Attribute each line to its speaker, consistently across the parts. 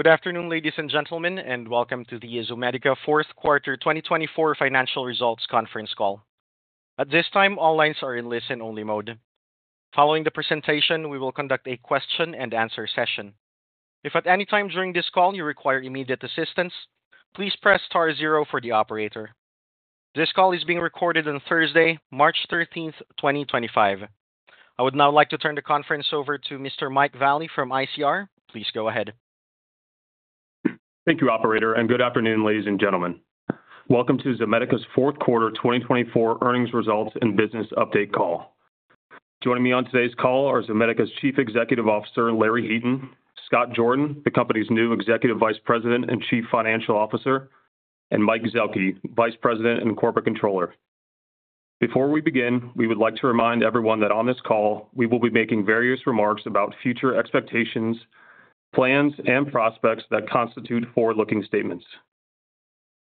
Speaker 1: Good afternoon, ladies and gentlemen, and welcome to the Zomedica fourth quarter 2024 financial results conference call. At this time, all lines are in listen-only mode. Following the presentation, we will conduct a question and answer session. If at any time during this call you require immediate assistance, please press star zero for the operator. This call is being recorded on Thursday, March 13, 2025. I would now like to turn the conference over to Mr. Mike Vallie from ICR. Please go ahead.
Speaker 2: Thank you, Operator, and good afternoon, ladies and gentlemen. Welcome to Zomedica's fourth quarter 2024 earnings results and business update call. Joining me on today's call are Zomedica's Chief Executive Officer, Larry Heaton, Scott Jordan, the company's new Executive Vice President and Chief Financial Officer, and Mike Zuehlke, Vice President and Corporate Controller. Before we begin, we would like to remind everyone that on this call we will be making various remarks about future expectations, plans, and prospects that constitute forward-looking statements.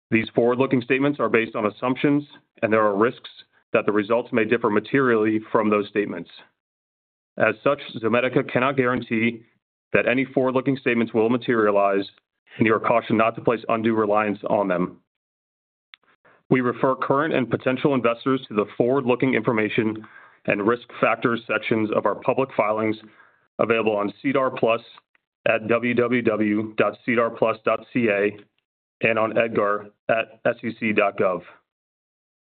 Speaker 2: These forward-looking statements are based on assumptions, and there are risks that the results may differ materially from those statements. As such, Zomedica cannot guarantee that any forward-looking statements will materialize, and you are cautioned not to place undue reliance on them. We refer current and potential investors to the forward-looking information and risk factors sections of our public filings available on SEDAR+ at www.sedarplus.ca and on EDGAR at sec.gov.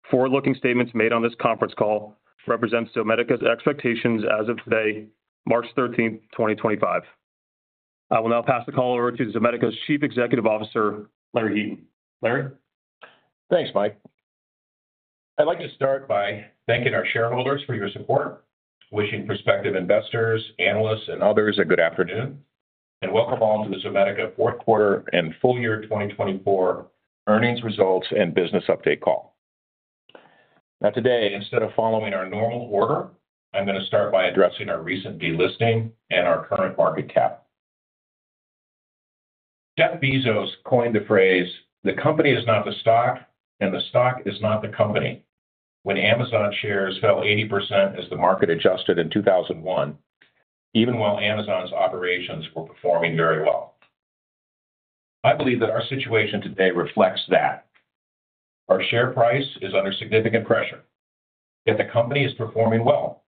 Speaker 2: Forward-looking statements made on this conference call represent Zomedica's expectations as of today, March 13, 2025. I will now pass the call over to Zomedica's Chief Executive Officer, Larry Heaton. Larry?
Speaker 3: Thanks, Mike. I'd like to start by thanking our shareholders for your support, wishing prospective investors, analysts, and others a good afternoon, and welcome all to the Zomedica fourth quarter and full year 2024 earnings results and business update call. Now today, instead of following our normal order, I'm going to start by addressing our recent delisting and our current market cap. Jeff Bezos coined the phrase, "The company is not the stock, and the stock is not the company" when Amazon shares fell 80% as the market adjusted in 2001, even while Amazon's operations were performing very well. I believe that our situation today reflects that. Our share price is under significant pressure, yet the company is performing well.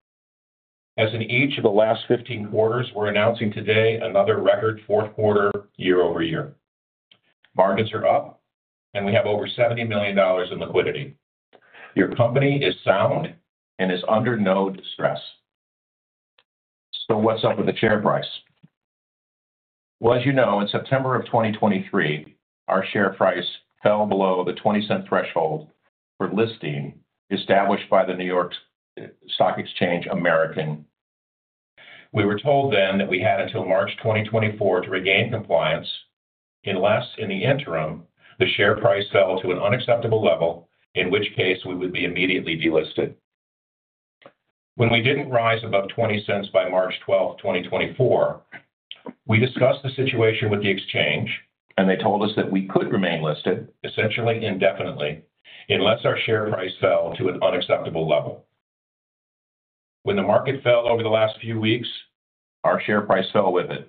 Speaker 3: As in each of the last 15 quarters, we're announcing today another record fourth quarter year-over-year. Markets are up, and we have over $70 million in liquidity. Your company is sound and is under no distress. What's up with the share price? As you know, in September of 2023, our share price fell below the $0.20 threshold for listing established by the New York Stock Exchange American. We were told then that we had until March 2024 to regain compliance. In the interim, the share price fell to an unacceptable level, in which case we would be immediately delisted. When we did not rise above $0.20 by March 12, 2024, we discussed the situation with the exchange, and they told us that we could remain listed, essentially indefinitely, unless our share price fell to an unacceptable level. When the market fell over the last few weeks, our share price fell with it,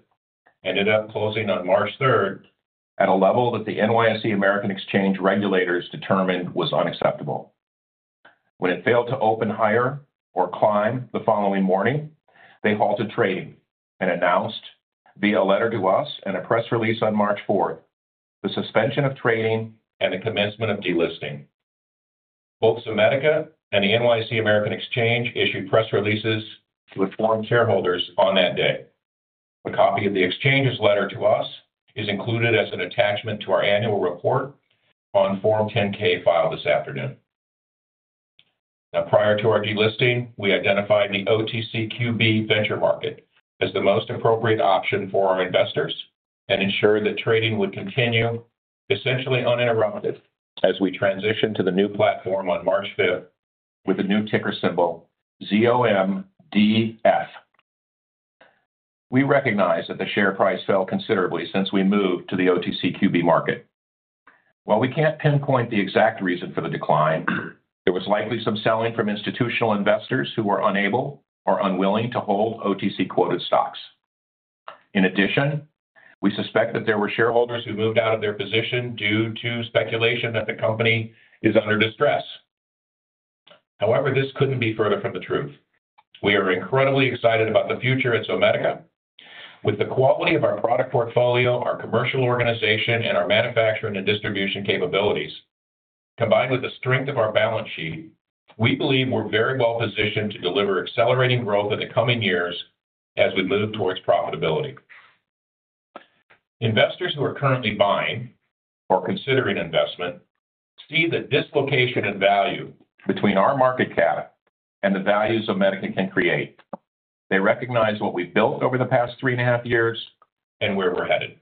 Speaker 3: ended up closing on March 3rd at a level that the NYSE American regulators determined was unacceptable. When it failed to open higher or climb the following morning, they halted trading and announced, via a letter to us and a press release on March 4, the suspension of trading and the commencement of delisting. Both Zomedica and the NYSE American issued press releases to inform shareholders on that day. A copy of the exchange's letter to us is included as an attachment to our annual report on Form 10-K filed this afternoon. Now, prior to our delisting, we identified the OTCQB Venture Market as the most appropriate option for our investors and ensured that trading would continue essentially uninterrupted as we transitioned to the new platform on March 5th with a new ticker symbol, ZOMDF. We recognize that the share price fell considerably since we moved to the OTCQB market. While we can't pinpoint the exact reason for the decline, there was likely some selling from institutional investors who were unable or unwilling to hold OTC-quoted stocks. In addition, we suspect that there were shareholders who moved out of their position due to speculation that the company is under distress. However, this couldn't be further from the truth. We are incredibly excited about the future at Zomedica. With the quality of our product portfolio, our commercial organization, and our manufacturing and distribution capabilities, combined with the strength of our balance sheet, we believe we're very well-positioned to deliver accelerating growth in the coming years as we move towards profitability. Investors who are currently buying or considering investment see the dislocation in value between our market cap and the value Zomedica can create. They recognize what we've built over the past three and a half years and where we're headed.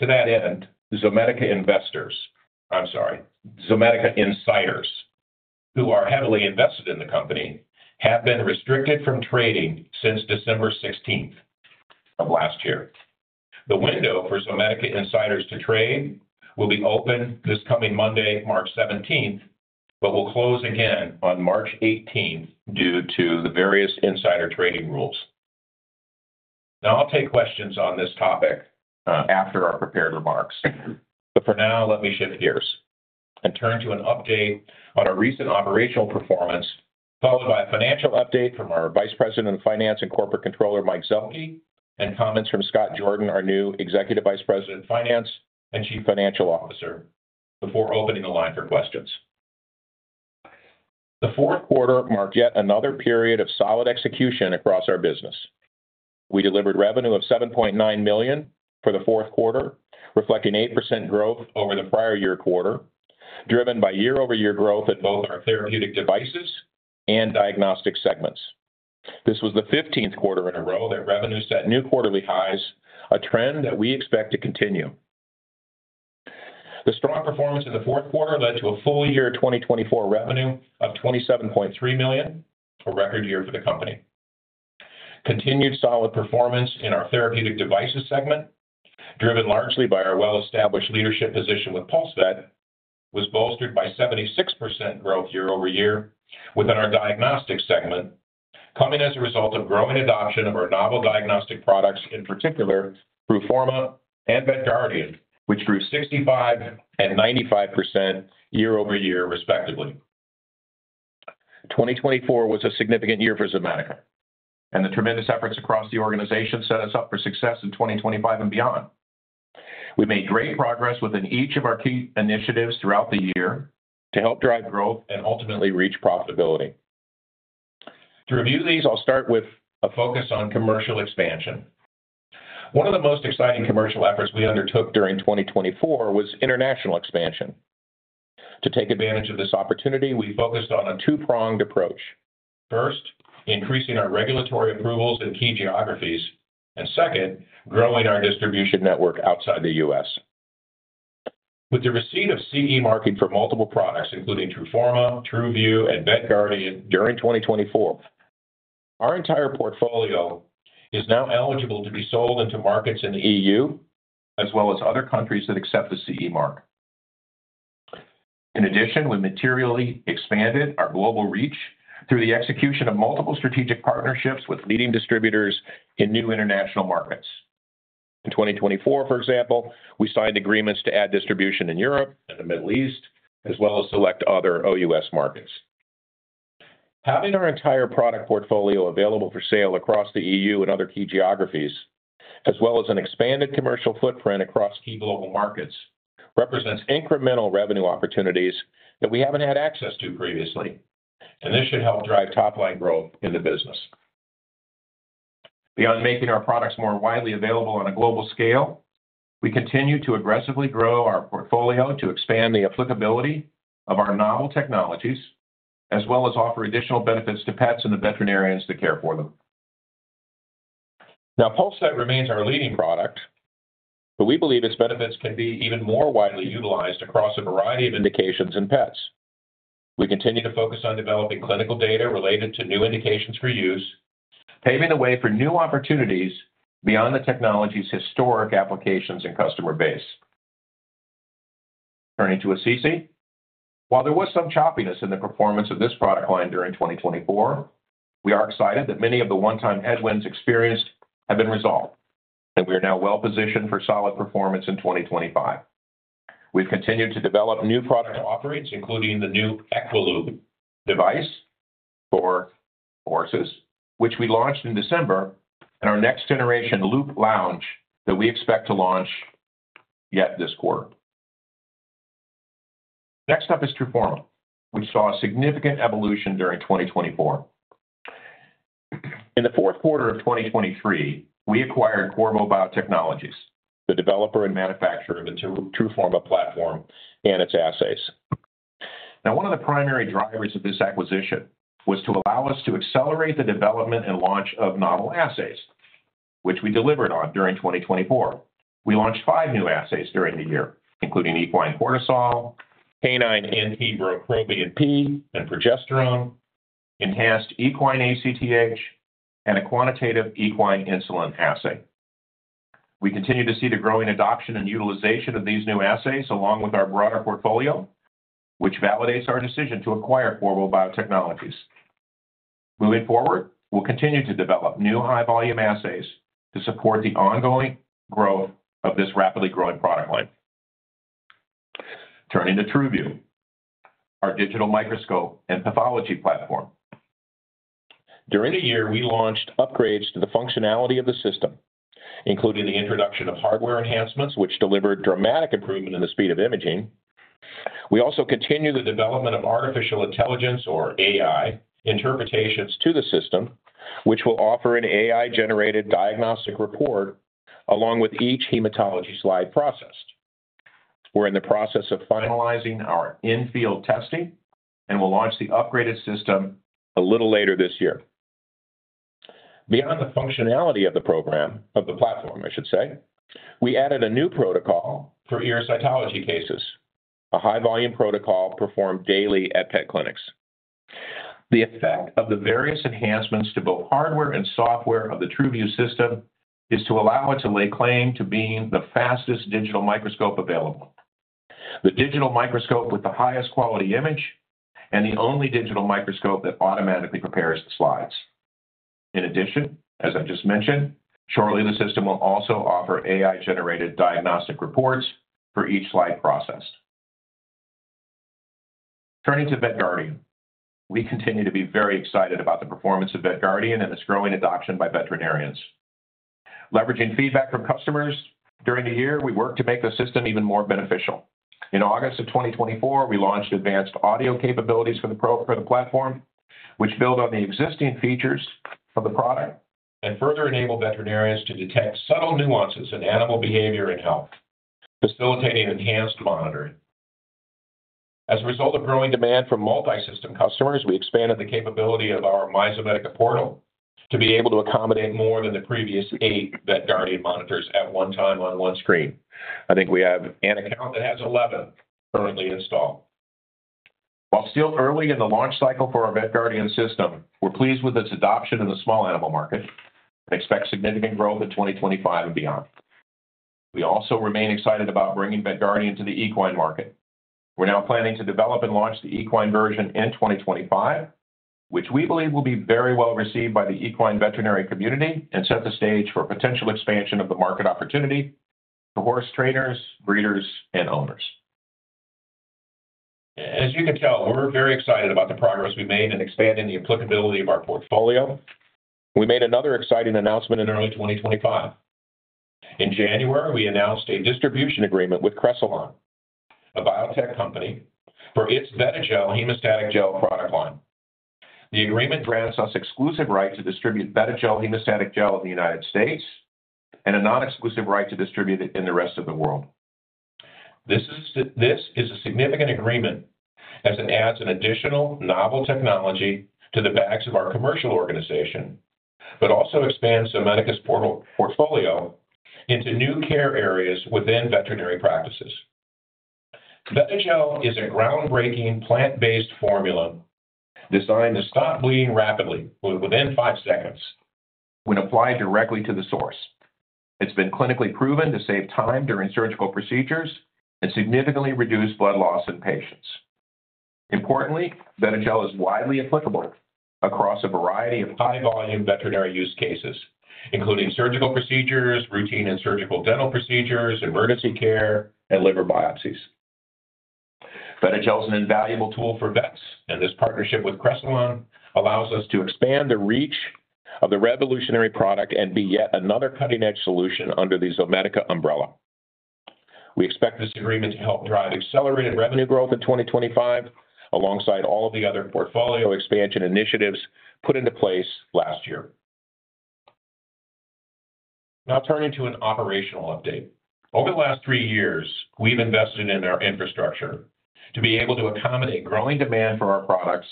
Speaker 3: To that end, Zomedica investors—I'm sorry, Zomedica insiders—who are heavily invested in the company have been restricted from trading since December 16 of last year. The window for Zomedica insiders to trade will be open this coming Monday, March 17th, but will close again on March 18th due to the various insider trading rules. Now, I'll take questions on this topic after our prepared remarks, but for now, let me shift gears and turn to an update on our recent operational performance, followed by a financial update from our Vice President of Finance and Corporate Controller, Mike Zuehlke, and comments from Scott Jordan, our new Executive Vice President of Finance and Chief Financial Officer, before opening the line for questions. The fourth quarter marked yet another period of solid execution across our business. We delivered revenue of $7.9 million for the fourth quarter, reflecting 8% growth over the prior year quarter, driven by year-over-year growth at both our therapeutic devices and diagnostic segments. This was the 15th quarter in a row that revenue set new quarterly highs, a trend that we expect to continue. The strong performance in the fourth quarter led to a full year 2024 revenue of $27.3 million, a record year for the company. Continued solid performance in our therapeutic devices segment, driven largely by our well-established leadership position with PulseVet, was bolstered by 76% growth year-over-year within our diagnostic segment, coming as a result of growing adoption of our novel diagnostic products, in particular, TRUFORMA and VETGuardian, which grew 65% and 95% year-over-year, respectively. 2024 was a significant year for Zomedica, and the tremendous efforts across the organization set us up for success in 2025 and beyond. We made great progress within each of our key initiatives throughout the year to help drive growth and ultimately reach profitability. To review these, I'll start with a focus on commercial expansion. One of the most exciting commercial efforts we undertook during 2024 was international expansion. To take advantage of this opportunity, we focused on a two-pronged approach: first, increasing our regulatory approvals in key geographies, and second, growing our distribution network outside the U.S. With the receipt of CE marking for multiple products, including TRUFORMA, TRUVIEW, and VETGuardian during 2024, our entire portfolio is now eligible to be sold into markets in the EU as well as other countries that accept the CE mark. In addition, we materially expanded our global reach through the execution of multiple strategic partnerships with leading distributors in new international markets. In 2024, for example, we signed agreements to add distribution in Europe and the Middle East, as well as select other OUS markets. Having our entire product portfolio available for sale across the EU and other key geographies, as well as an expanded commercial footprint across key global markets, represents incremental revenue opportunities that we haven't had access to previously, and this should help drive top-line growth in the business. Beyond making our products more widely available on a global scale, we continue to aggressively grow our portfolio to expand the applicability of our novel technologies, as well as offer additional benefits to pets and the veterinarians that care for them. Now, PulseVet remains our leading product, but we believe its benefits can be even more widely utilized across a variety of indications in pets. We continue to focus on developing clinical data related to new indications for use, paving the way for new opportunities beyond the technology's historic applications and customer base. Turning to Assisi, while there was some choppiness in the performance of this product line during 2024, we are excited that many of the one-time headwinds experienced have been resolved, and we are now well-positioned for solid performance in 2025. We've continued to develop new product offerings, including the new EquiLOOP device for horses, which we launched in December, and our next-generation LOOP Lounge that we expect to launch yet this quarter. Next up is TRUFORMA, which saw a significant evolution during 2024. In the fourth quarter of 2023, we acquired Qorvo Biotechnologies, the developer and manufacturer of the TRUFORMA platform and its assays. Now, one of the primary drivers of this acquisition was to allow us to accelerate the development and launch of novel assays, which we delivered on during 2024. We launched five new assays during the year, including equine cortisol, canine NT-proBNP, and progesterone, enhanced equine ACTH, and a quantitative equine insulin assay. We continue to see the growing adoption and utilization of these new assays along with our broader portfolio, which validates our decision to acquire Qorvo Biotechnologies. Moving forward, we'll continue to develop new high-volume assays to support the ongoing growth of this rapidly growing product line. Turning to TRUVIEW, our digital microscope and pathology platform. During the year, we launched upgrades to the functionality of the system, including the introduction of hardware enhancements, which delivered dramatic improvement in the speed of imaging. We also continue the development of artificial intelligence, or AI, interpretations to the system, which will offer an AI-generated diagnostic report along with each hematology slide processed. We're in the process of finalizing our in-field testing and will launch the upgraded system a little later this year. Beyond the functionality of the program, of the platform, I should say, we added a new protocol for ear cytology cases, a high-volume protocol performed daily at pet clinics. The effect of the various enhancements to both hardware and software of the TRUVIEW system is to allow it to lay claim to being the fastest digital microscope available, the digital microscope with the highest quality image, and the only digital microscope that automatically prepares the slides. In addition, as I just mentioned, shortly the system will also offer AI-generated diagnostic reports for each slide processed. Turning to VETGuardian, we continue to be very excited about the performance of VETGuardian and its growing adoption by veterinarians. Leveraging feedback from customers during the year, we worked to make the system even more beneficial. In August of 2024, we launched advanced audio capabilities for the platform, which build on the existing features of the product and further enable veterinarians to detect subtle nuances in animal behavior and health, facilitating enhanced monitoring. As a result of growing demand from multi-system customers, we expanded the capability of our myZomedica portal to be able to accommodate more than the previous eight VETGuardian monitors at one time on one screen. I think we have an account that has 11 currently installed. While still early in the launch cycle for our VETGuardian system, we're pleased with its adoption in the small animal market and expect significant growth in 2025 and beyond. We also remain excited about bringing VETGuardian to the equine market. We're now planning to develop and launch the equine version in 2025, which we believe will be very well received by the equine veterinary community and set the stage for potential expansion of the market opportunity for horse trainers, breeders, and owners. As you can tell, we're very excited about the progress we made in expanding the applicability of our portfolio. We made another exciting announcement in early 2025. In January, we announced a distribution agreement with Cresilon, a biotech company, for its VETIGEL Hemostatic Gel product line. The agreement grants us exclusive right to distribute VETIGEL Hemostatic Gel in the United States and a non-exclusive right to distribute it in the rest of the world. This is a significant agreement as it adds an additional novel technology to the bags of our commercial organization, but also expands Zomedica's portfolio into new care areas within veterinary practices. VETIGEL is a groundbreaking plant-based formula designed to stop bleeding rapidly within five seconds when applied directly to the source. It's been clinically proven to save time during surgical procedures and significantly reduce blood loss in patients. Importantly, VETIGEL is widely applicable across a variety of high-volume veterinary use cases, including surgical procedures, routine and surgical dental procedures, emergency care, and liver biopsies. VETIGEL is an invaluable tool for vets, and this partnership with Cresilon allows us to expand the reach of the revolutionary product and be yet another cutting-edge solution under the Zomedica umbrella. We expect this agreement to help drive accelerated revenue growth in 2025 alongside all of the other portfolio expansion initiatives put into place last year. Now, turning to an operational update. Over the last three years, we've invested in our infrastructure to be able to accommodate growing demand for our products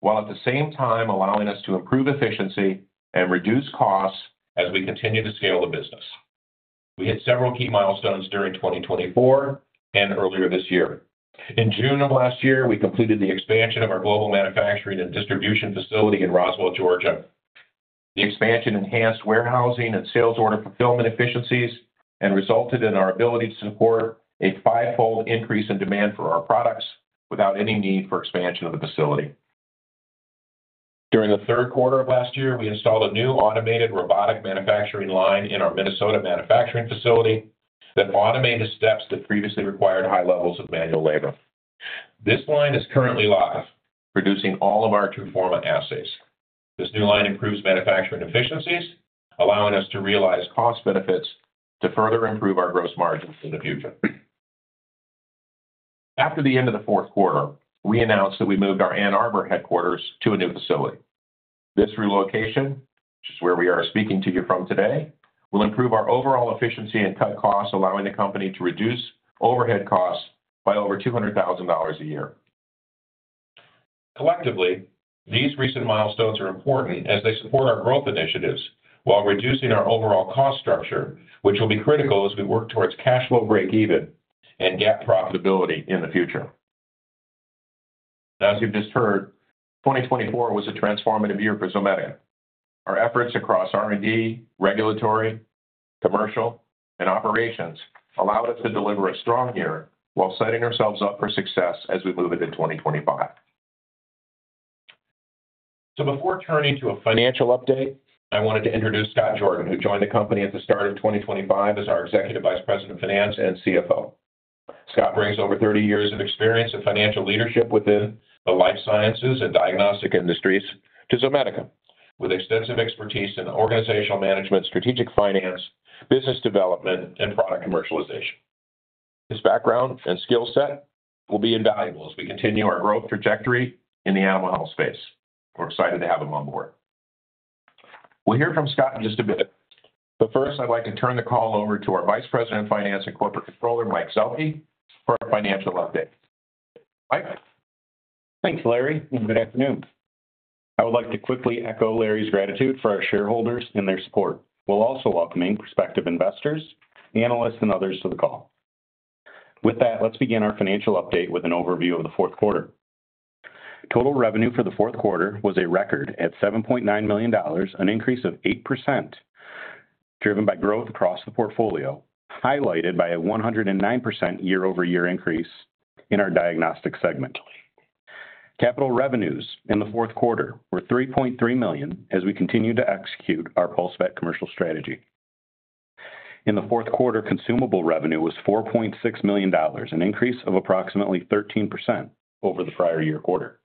Speaker 3: while at the same time allowing us to improve efficiency and reduce costs as we continue to scale the business. We hit several key milestones during 2024 and earlier this year. In June of last year, we completed the expansion of our global manufacturing and distribution facility in Roswell, Georgia. The expansion enhanced warehousing and sales order fulfillment efficiencies and resulted in our ability to support a fivefold increase in demand for our products without any need for expansion of the facility. During the third quarter of last year, we installed a new automated robotic manufacturing line in our Minnesota manufacturing facility that automated steps that previously required high levels of manual labor. This line is currently live, producing all of our TRUFORMA assays. This new line improves manufacturing efficiencies, allowing us to realize cost benefits to further improve our gross margins in the future. After the end of the fourth quarter, we announced that we moved our Ann Arbor headquarters to a new facility. This relocation, which is where we are speaking to you from today, will improve our overall efficiency and cut costs, allowing the company to reduce overhead costs by over $200,000 a year. Collectively, these recent milestones are important as they support our growth initiatives while reducing our overall cost structure, which will be critical as we work towards cash flow break-even and GAAP profitability in the future. As you've just heard, 2024 was a transformative year for Zomedica. Our efforts across R&D, regulatory, commercial, and operations allowed us to deliver a strong year while setting ourselves up for success as we move into 2025. Before turning to a financial update, I wanted to introduce Scott Jordan, who joined the company at the start of 2025 as our Executive Vice President of Finance and CFO. Scott brings over 30 years of experience in financial leadership within the life sciences and diagnostic industries to Zomedica, with extensive expertise in organizational management, strategic finance, business development, and product commercialization. His background and skill set will be invaluable as we continue our growth trajectory in the animal health space. We're excited to have him on board. We'll hear from Scott in just a bit, but first, I'd like to turn the call over to our Vice President of Finance and Corporate Controller, Mike Zuehlke, for our financial update. Mike?
Speaker 4: Thanks, Larry. Good afternoon. I would like to quickly echo Larry's gratitude for our shareholders and their support, while also welcoming prospective investors, analysts, and others to the call. With that, let's begin our financial update with an overview of the fourth quarter. Total revenue for the fourth quarter was a record at $7.9 million, an increase of 8%, driven by growth across the portfolio, highlighted by a 109% year-over-year increase in our diagnostic segment. Capital revenues in the fourth quarter were $3.3 million as we continued to execute our PulseVet commercial strategy. In the fourth quarter, consumable revenue was $4.6 million, an increase of approximately 13% over the prior year quarter.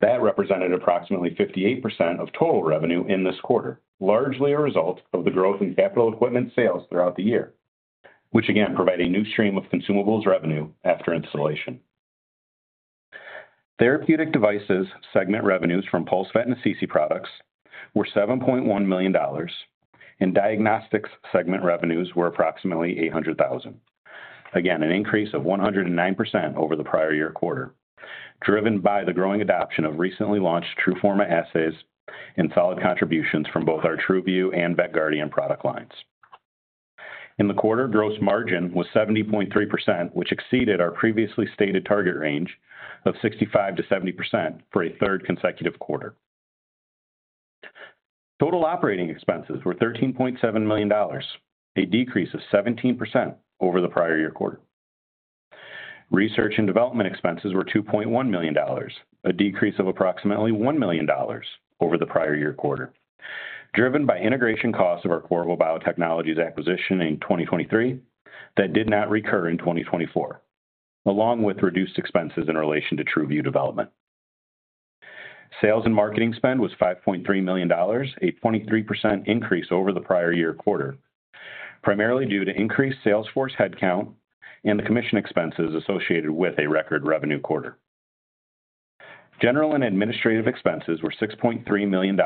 Speaker 4: That represented approximately 58% of total revenue in this quarter, largely a result of the growth in capital equipment sales throughout the year, which again provided a new stream of consumables revenue after installation. Therapeutic devices segment revenues from PulseVet and Assisi products were $7.1 million, and diagnostics segment revenues were approximately $800,000. Again, an increase of 109% over the prior year quarter, driven by the growing adoption of recently launched TRUFORMA assays and solid contributions from both our TRUVIEW and VETGuardian product lines. In the quarter, gross margin was 70.3%, which exceeded our previously stated target range of 65%-70% for a third consecutive quarter. Total operating expenses were $13.7 million, a decrease of 17% over the prior year quarter. Research and development expenses were $2.1 million, a decrease of approximately $1 million over the prior year quarter, driven by integration costs of our Qorvo Biotechnologies acquisition in 2023 that did not recur in 2024, along with reduced expenses in relation to TRUVIEW development. Sales and marketing spend was $5.3 million, a 23% increase over the prior year quarter, primarily due to increased sales force headcount and the commission expenses associated with a record revenue quarter. General and administrative expenses were $6.3 million,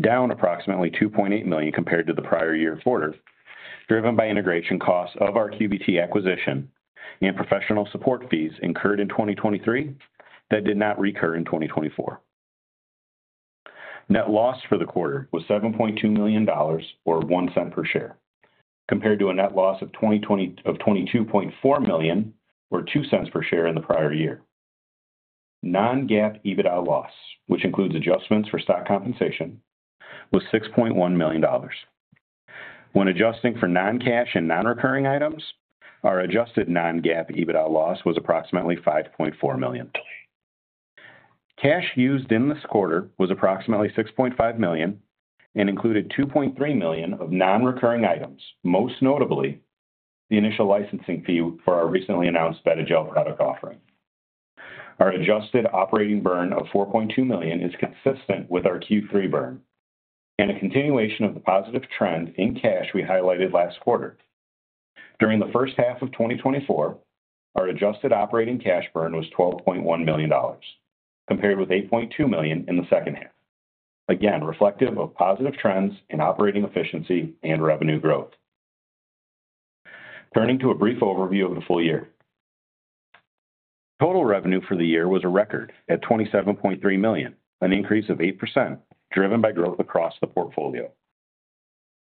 Speaker 4: down approximately $2.8 million compared to the prior year quarter, driven by integration costs of our Qorvo Biotechnologies acquisition and professional support fees incurred in 2023 that did not recur in 2024. Net loss for the quarter was $7.2 million, or $0.01 per share, compared to a net loss of $22.4 million, or $0.02 per share in the prior year. Non-GAAP EBITDA loss, which includes adjustments for stock compensation, was $6.1 million. When adjusting for non-cash and non-recurring items, our adjusted non-GAAP EBITDA loss was approximately $5.4 million. Cash used in this quarter was approximately $6.5 million and included $2.3 million of non-recurring items, most notably the initial licensing fee for our recently announced VETIGEL product offering. Our adjusted operating burn of $4.2 million is consistent with our Q3 burn and a continuation of the positive trend in cash we highlighted last quarter. During the first half of 2024, our adjusted operating cash burn was $12.1 million, compared with $8.2 million in the second half, again reflective of positive trends in operating efficiency and revenue growth. Turning to a brief overview of the full year, total revenue for the year was a record at $27.3 million, an increase of 8%, driven by growth across the portfolio.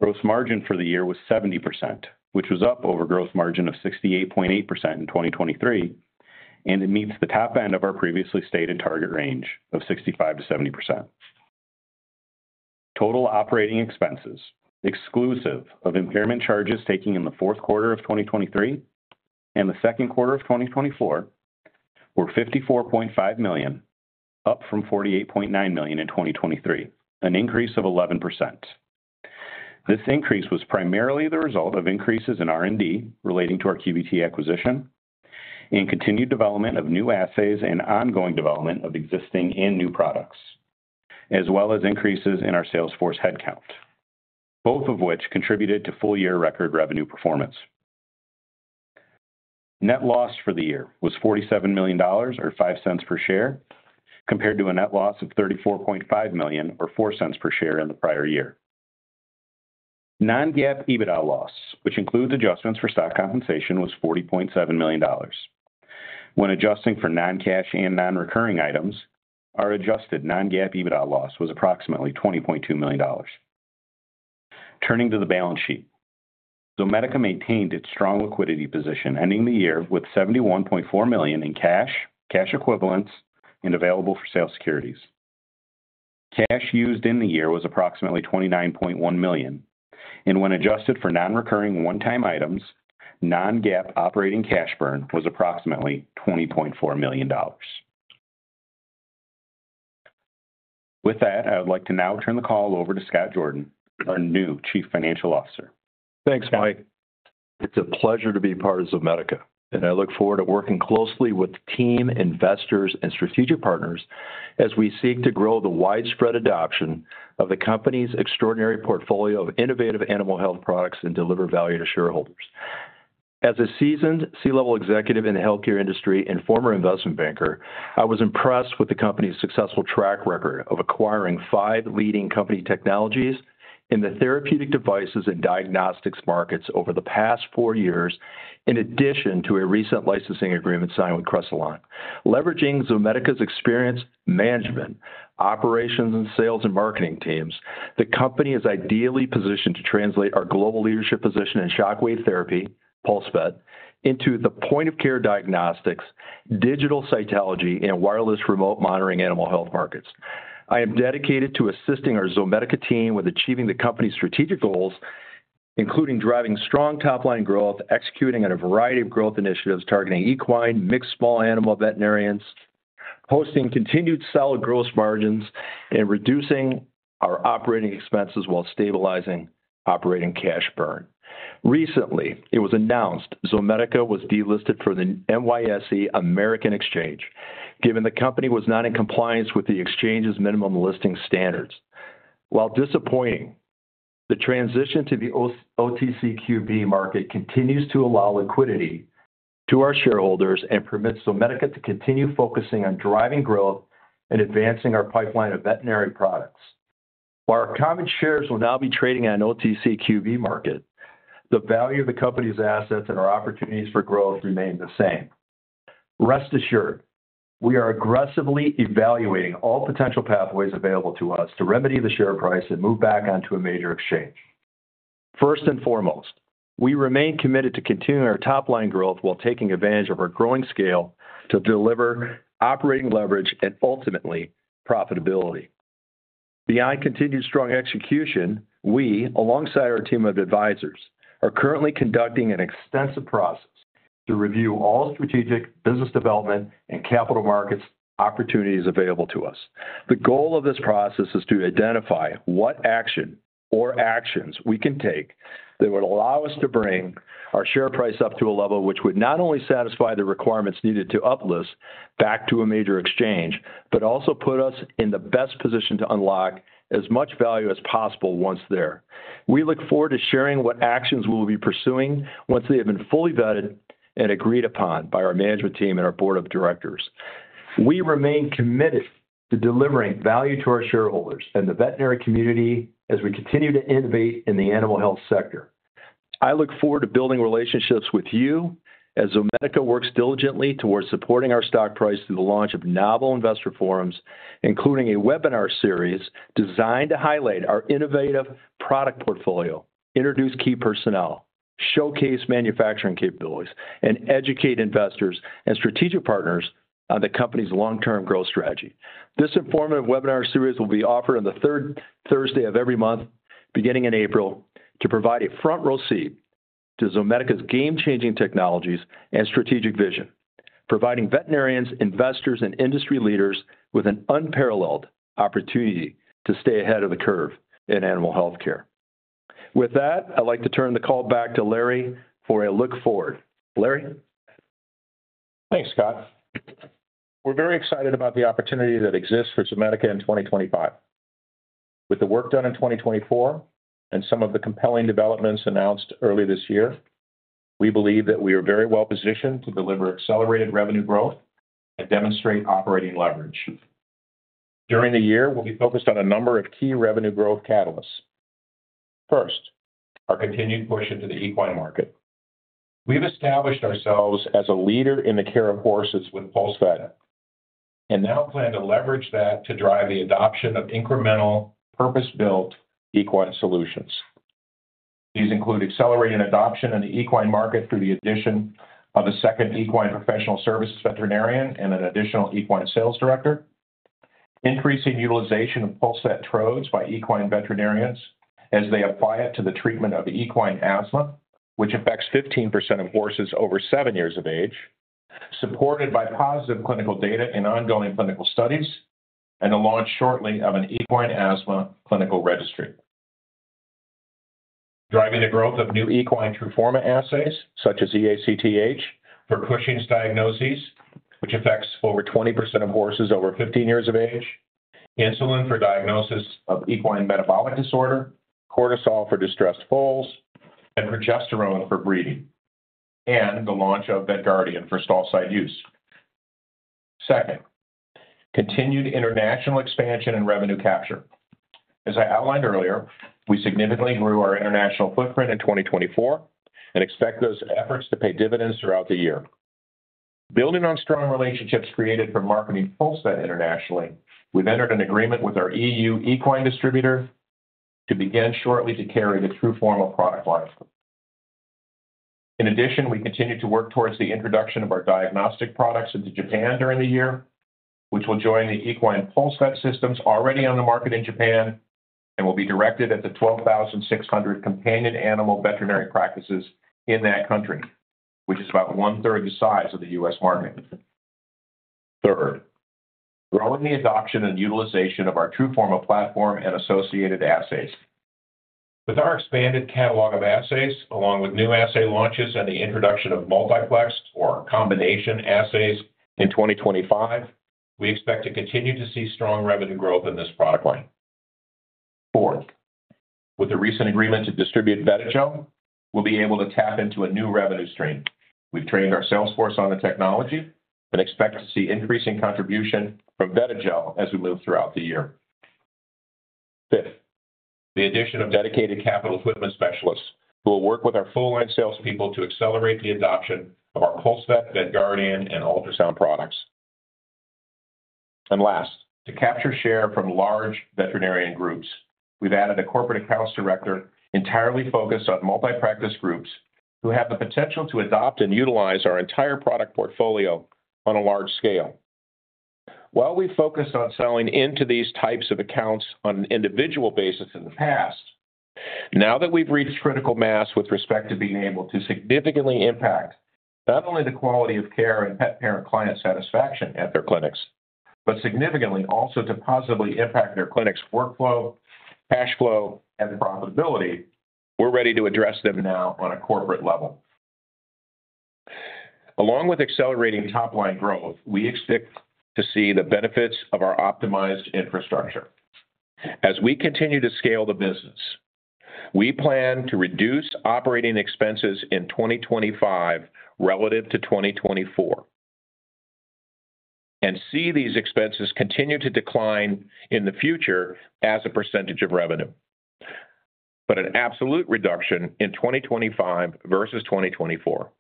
Speaker 4: Gross margin for the year was 70%, which was up over gross margin of 68.8% in 2023, and it meets the top end of our previously stated target range of 65%-70%. Total operating expenses, exclusive of impairment charges taken in the fourth quarter of 2023 and the second quarter of 2024, were $54.5 million, up from $48.9 million in 2023, an increase of 11%. This increase was primarily the result of increases in R&D relating to our Qorvo Biotechnologies acquisition and continued development of new assays and ongoing development of existing and new products, as well as increases in our sales force headcount, both of which contributed to full-year record revenue performance. Net loss for the year was $47 million, or $0.05 per share, compared to a net loss of $34.5 million, or $0.04 per share in the prior year. Non-GAAP EBITDA loss, which includes adjustments for stock compensation, was $40.7 million. When adjusting for non-cash and non-recurring items, our adjusted non-GAAP EBITDA loss was approximately $20.2 million. Turning to the balance sheet, Zomedica maintained its strong liquidity position, ending the year with $71.4 million in cash, cash equivalents, and available for sale securities. Cash used in the year was approximately $29.1 million, and when adjusted for non-recurring one-time items, non-GAAP operating cash burn was approximately $20.4 million. With that, I would like to now turn the call over to Scott Jordan, our new Chief Financial Officer.
Speaker 5: Thanks, Mike. It's a pleasure to be part of Zomedica, and I look forward to working closely with the team, investors, and strategic partners as we seek to grow the widespread adoption of the company's extraordinary portfolio of innovative animal health products and deliver value to shareholders. As a seasoned C-level executive in the healthcare industry and former investment banker, I was impressed with the company's successful track record of acquiring five leading company technologies in the therapeutic devices and diagnostics markets over the past four years, in addition to a recent licensing agreement signed with Cresilon. Leveraging Zomedica's experience, management, operations, and sales and marketing teams, the company is ideally positioned to translate our global leadership position in shock wave therapy, PulseVet, into the point-of-care diagnostics, digital cytology, and wireless remote monitoring animal health markets. I am dedicated to assisting our Zomedica team with achieving the company's strategic goals, including driving strong top-line growth, executing on a variety of growth initiatives targeting equine, mixed small animal veterinarians, posting continued solid gross margins, and reducing our operating expenses while stabilizing operating cash burn. Recently, it was announced Zomedica was delisted from the NYSE American, given the company was not in compliance with the exchange's minimum listing standards. While disappointing, the transition to the OTCQB market continues to allow liquidity to our shareholders and permits Zomedica to continue focusing on driving growth and advancing our pipeline of veterinary products. While our common shares will now be trading on an OTCQB market, the value of the company's assets and our opportunities for growth remain the same. Rest assured, we are aggressively evaluating all potential pathways available to us to remedy the share price and move back onto a major exchange. First and foremost, we remain committed to continuing our top-line growth while taking advantage of our growing scale to deliver operating leverage and ultimately profitability. Beyond continued strong execution, we, alongside our team of advisors, are currently conducting an extensive process to review all strategic business development and capital markets opportunities available to us. The goal of this process is to identify what action or actions we can take that would allow us to bring our share price up to a level which would not only satisfy the requirements needed to uplist back to a major exchange, but also put us in the best position to unlock as much value as possible once there. We look forward to sharing what actions we will be pursuing once they have been fully vetted and agreed upon by our management team and our Board of Directors. We remain committed to delivering value to our shareholders and the veterinary community as we continue to innovate in the animal health sector. I look forward to building relationships with you as Zomedica works diligently towards supporting our stock price through the launch of novel investor forums, including a webinar series designed to highlight our innovative product portfolio, introduce key personnel, showcase manufacturing capabilities, and educate investors and strategic partners on the company's long-term growth strategy. This informative webinar series will be offered on the third Thursday of every month, beginning in April, to provide a front-row seat to Zomedica's game-changing technologies and strategic vision, providing veterinarians, investors, and industry leaders with an unparalleled opportunity to stay ahead of the curve in animal healthcare. With that, I'd like to turn the call back to Larry for a look forward. Larry?
Speaker 3: Thanks, Scott. We're very excited about the opportunity that exists for Zomedica in 2025. With the work done in 2024 and some of the compelling developments announced early this year, we believe that we are very well-positioned to deliver accelerated revenue growth and demonstrate operating leverage. During the year, we will be focused on a number of key revenue growth catalysts. First, our continued push into the equine market. We have established ourselves as a leader in the care of horses with PulseVet and now plan to leverage that to drive the adoption of incremental, purpose-built equine solutions. These include accelerating adoption in the equine market through the addition of a second equine professional services veterinarian and an additional equine sales director, increasing utilization of PulseVet trodes by equine veterinarians as they apply it to the treatment of equine asthma, which affects 15% of horses over seven years of age, supported by positive clinical data and ongoing clinical studies, and the launch shortly of an equine asthma clinical registry. Driving the growth of new equine TRUFORMA assays, such as eACTH for Cushing's diagnoses, which affects over 20% of horses over 15 years of age, insulin for diagnosis of equine metabolic disorder, cortisol for distressed foals, and progesterone for breeding, and the launch of VetGuardian for stall site use. Second, continued international expansion and revenue capture. As I outlined earlier, we significantly grew our international footprint in 2024 and expect those efforts to pay dividends throughout the year. Building on strong relationships created from marketing PulseVet internationally, we've entered an agreement with our EU equine distributor to begin shortly to carry the TRUFORMA product line. In addition, we continue to work towards the introduction of our diagnostic products into Japan during the year, which will join the equine PulseVet systems already on the market in Japan and will be directed at the 12,600 companion animal veterinary practices in that country, which is about one-third the size of the U.S. market. Third, growing the adoption and utilization of our TRUFORMA platform and associated assays. With our expanded catalog of assays, along with new assay launches and the introduction of multiplex or combination assays in 2025, we expect to continue to see strong revenue growth in this product line. Fourth, with the recent agreement to distribute VETIGEL, we'll be able to tap into a new revenue stream. We've trained our sales force on the technology and expect to see increasing contribution from VETIGEL as we move throughout the year. Fifth, the addition of dedicated capital equipment specialists who will work with our full-line salespeople to accelerate the adoption of our PulseVet, VETGuardian, and ultrasound products. Last, to capture share from large veterinarian groups, we've added a corporate accounts director entirely focused on multi-practice groups who have the potential to adopt and utilize our entire product portfolio on a large scale. While we've focused on selling into these types of accounts on an individual basis in the past, now that we've reached critical mass with respect to being able to significantly impact not only the quality of care and pet-parent-client satisfaction at their clinics, but significantly also to positively impact their clinic's workflow, cash flow, and profitability, we're ready to address them now on a corporate level. Along with accelerating top-line growth, we expect to see the benefits of our optimized infrastructure. As we continue to scale the business, we plan to reduce operating expenses in 2025 relative to 2024 and see these expenses continue to decline in the future as a percentage of revenue, but an absolute reduction in 2025 versus 2024.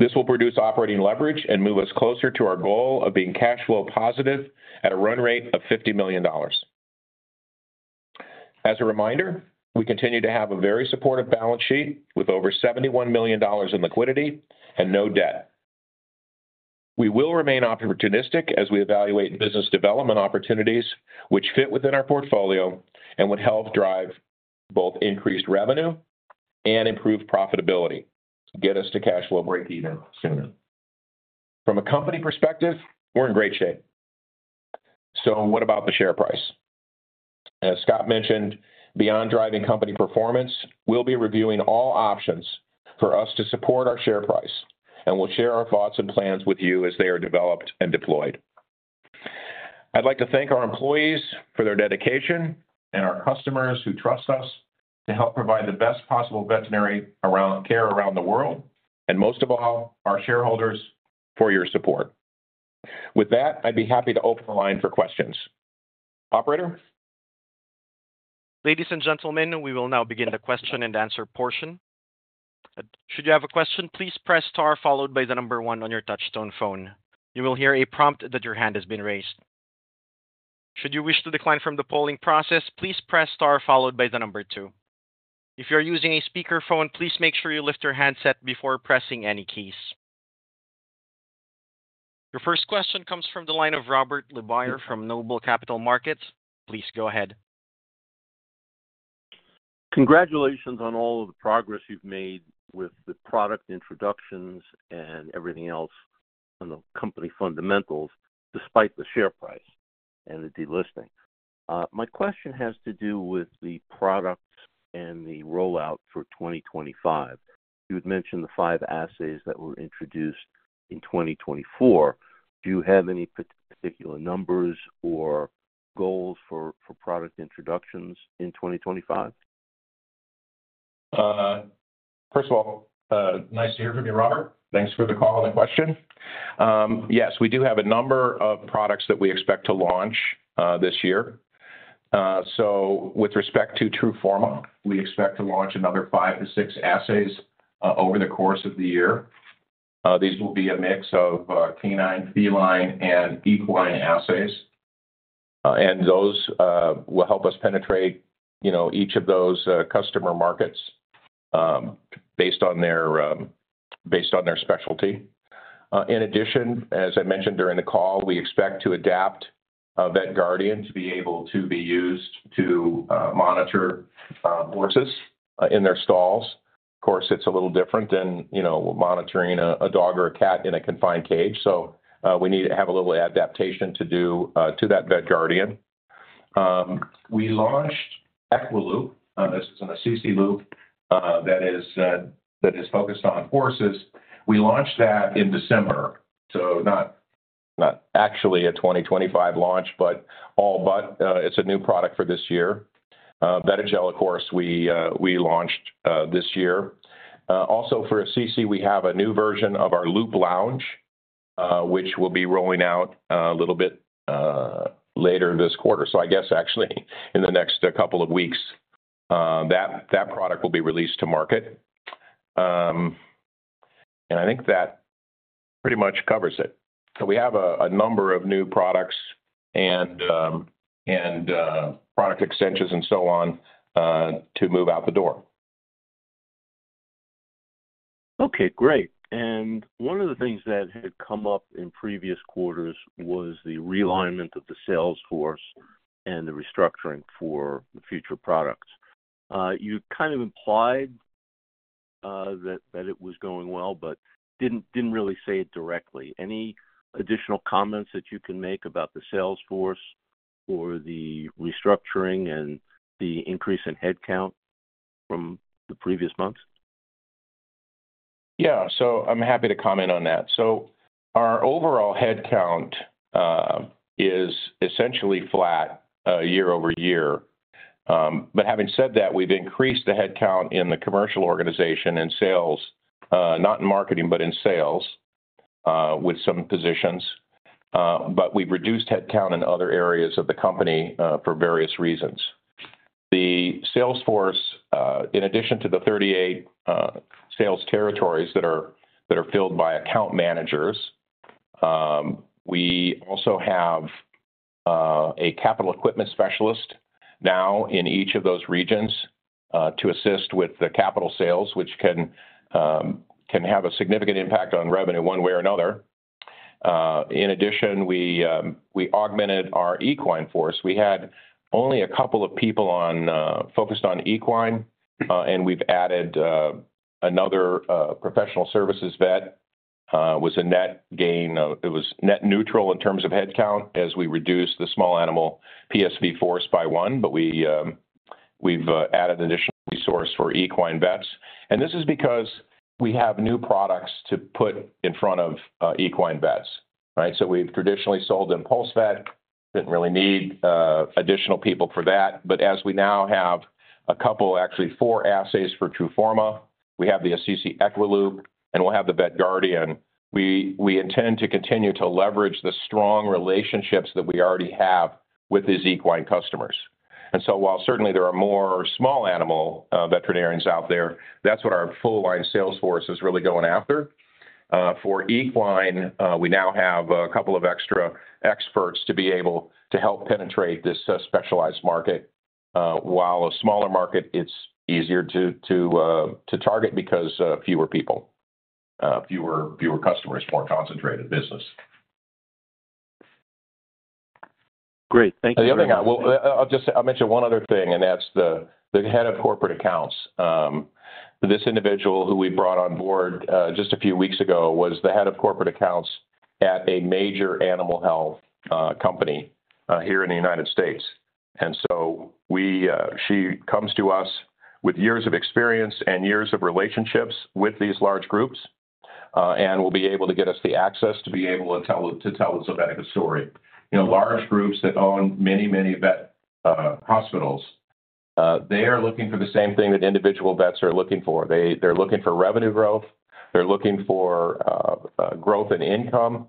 Speaker 3: This will produce operating leverage and move us closer to our goal of being cash flow positive at a run rate of $50 million. As a reminder, we continue to have a very supportive balance sheet with over $71 million in liquidity and no debt. We will remain opportunistic as we evaluate business development opportunities which fit within our portfolio and would help drive both increased revenue and improved profitability to get us to cash flow break-even sooner. From a company perspective, we're in great shape. What about the share price? As Scott mentioned, beyond driving company performance, we'll be reviewing all options for us to support our share price, and we'll share our thoughts and plans with you as they are developed and deployed. I'd like to thank our employees for their dedication and our customers who trust us to help provide the best possible veterinary care around the world, and most of all, our shareholders for your support. With that, I'd be happy to open the line for questions. Operator?
Speaker 1: Ladies and gentlemen, we will now begin the question and answer portion. Should you have a question, please press star followed by the number one on your touch-tone phone. You will hear a prompt that your hand has been raised. Should you wish to decline from the polling process, please press star followed by the number two. If you're using a speakerphone, please make sure you lift your handset before pressing any keys. Your first question comes from the line of Robert LeBoyer from NOBLE Capital Markets. Please go ahead.
Speaker 6: Congratulations on all of the progress you've made with the product introductions and everything else on the company fundamentals despite the share price and the delisting. My question has to do with the products and the rollout for 2025. You had mentioned the five assays that were introduced in 2024. Do you have any particular numbers or goals for product introductions in 2025? First of all, nice to hear from you, Robert. Thanks for the call and the question. Yes, we do have a number of products that we expect to launch this year. With respect to TRUFORMA, we expect to launch another five to six assays over the course of the year.
Speaker 3: These will be a mix of canine, feline, and equine assays, and those will help us penetrate each of those customer markets based on their specialty. In addition, as I mentioned during the call, we expect to adapt VETGuardian to be able to be used to monitor horses in their stalls. Of course, it's a little different than monitoring a dog or a cat in a confined cage, so we need to have a little adaptation to do to that VETGuardian. We launched EquiLOOP. This is an Assisi LOOP that is focused on horses. We launched that in December, so not actually a 2025 launch, but all but. It's a new product for this year. VETIGEL, of course, we launched this year. Also, for Assisi, we have a new version of our LOOP Lounge, which we'll be rolling out a little bit later this quarter. I guess, actually, in the next couple of weeks, that product will be released to market. I think that pretty much covers it. We have a number of new products and product extensions and so on to move out the door.
Speaker 6: Okay. Great. One of the things that had come up in previous quarters was the realignment of the sales force and the restructuring for future products. You kind of implied that it was going well, but did not really say it directly. Any additional comments that you can make about the sales force or the restructuring and the increase in headcount from the previous months?
Speaker 3: Yeah. I am happy to comment on that. Our overall headcount is essentially flat year-over-year. Having said that, we have increased the headcount in the commercial organization and sales, not in marketing, but in sales with some positions. We have reduced headcount in other areas of the company for various reasons. The sales force, in addition to the 38 sales territories that are filled by account managers, also has a capital equipment specialist now in each of those regions to assist with the capital sales, which can have a significant impact on revenue one way or another. In addition, we augmented our equine force. We had only a couple of people focused on equine, and we have added another professional services vet. It was a net gain; it was net neutral in terms of headcount as we reduced the small animal PSV force by one, but we have added an additional resource for equine vets. This is because we have new products to put in front of equine vets, right? We have traditionally sold them PulseVet. Did not really need additional people for that. As we now have a couple, actually four assays for TRUFORMA, we have the Assisi EquiLOOP, and we'll have the VetGuardian. We intend to continue to leverage the strong relationships that we already have with these equine customers. While certainly there are more small animal veterinarians out there, that's what our full-line sales force is really going after. For equine, we now have a couple of extra experts to be able to help penetrate this specialized market. While a smaller market, it's easier to target because fewer people, fewer customers, more concentrated business.
Speaker 6: Great. Thank you.
Speaker 3: The other thing, I'll just mention one other thing, and that's the head of corporate accounts. This individual who we brought on board just a few weeks ago was the head of corporate accounts at a major animal health company here in the United States. She comes to us with years of experience and years of relationships with these large groups and will be able to get us the access to be able to tell us a better story. Large groups that own many, many vet hospitals, they are looking for the same thing that individual vets are looking for. They're looking for revenue growth. They're looking for growth in income.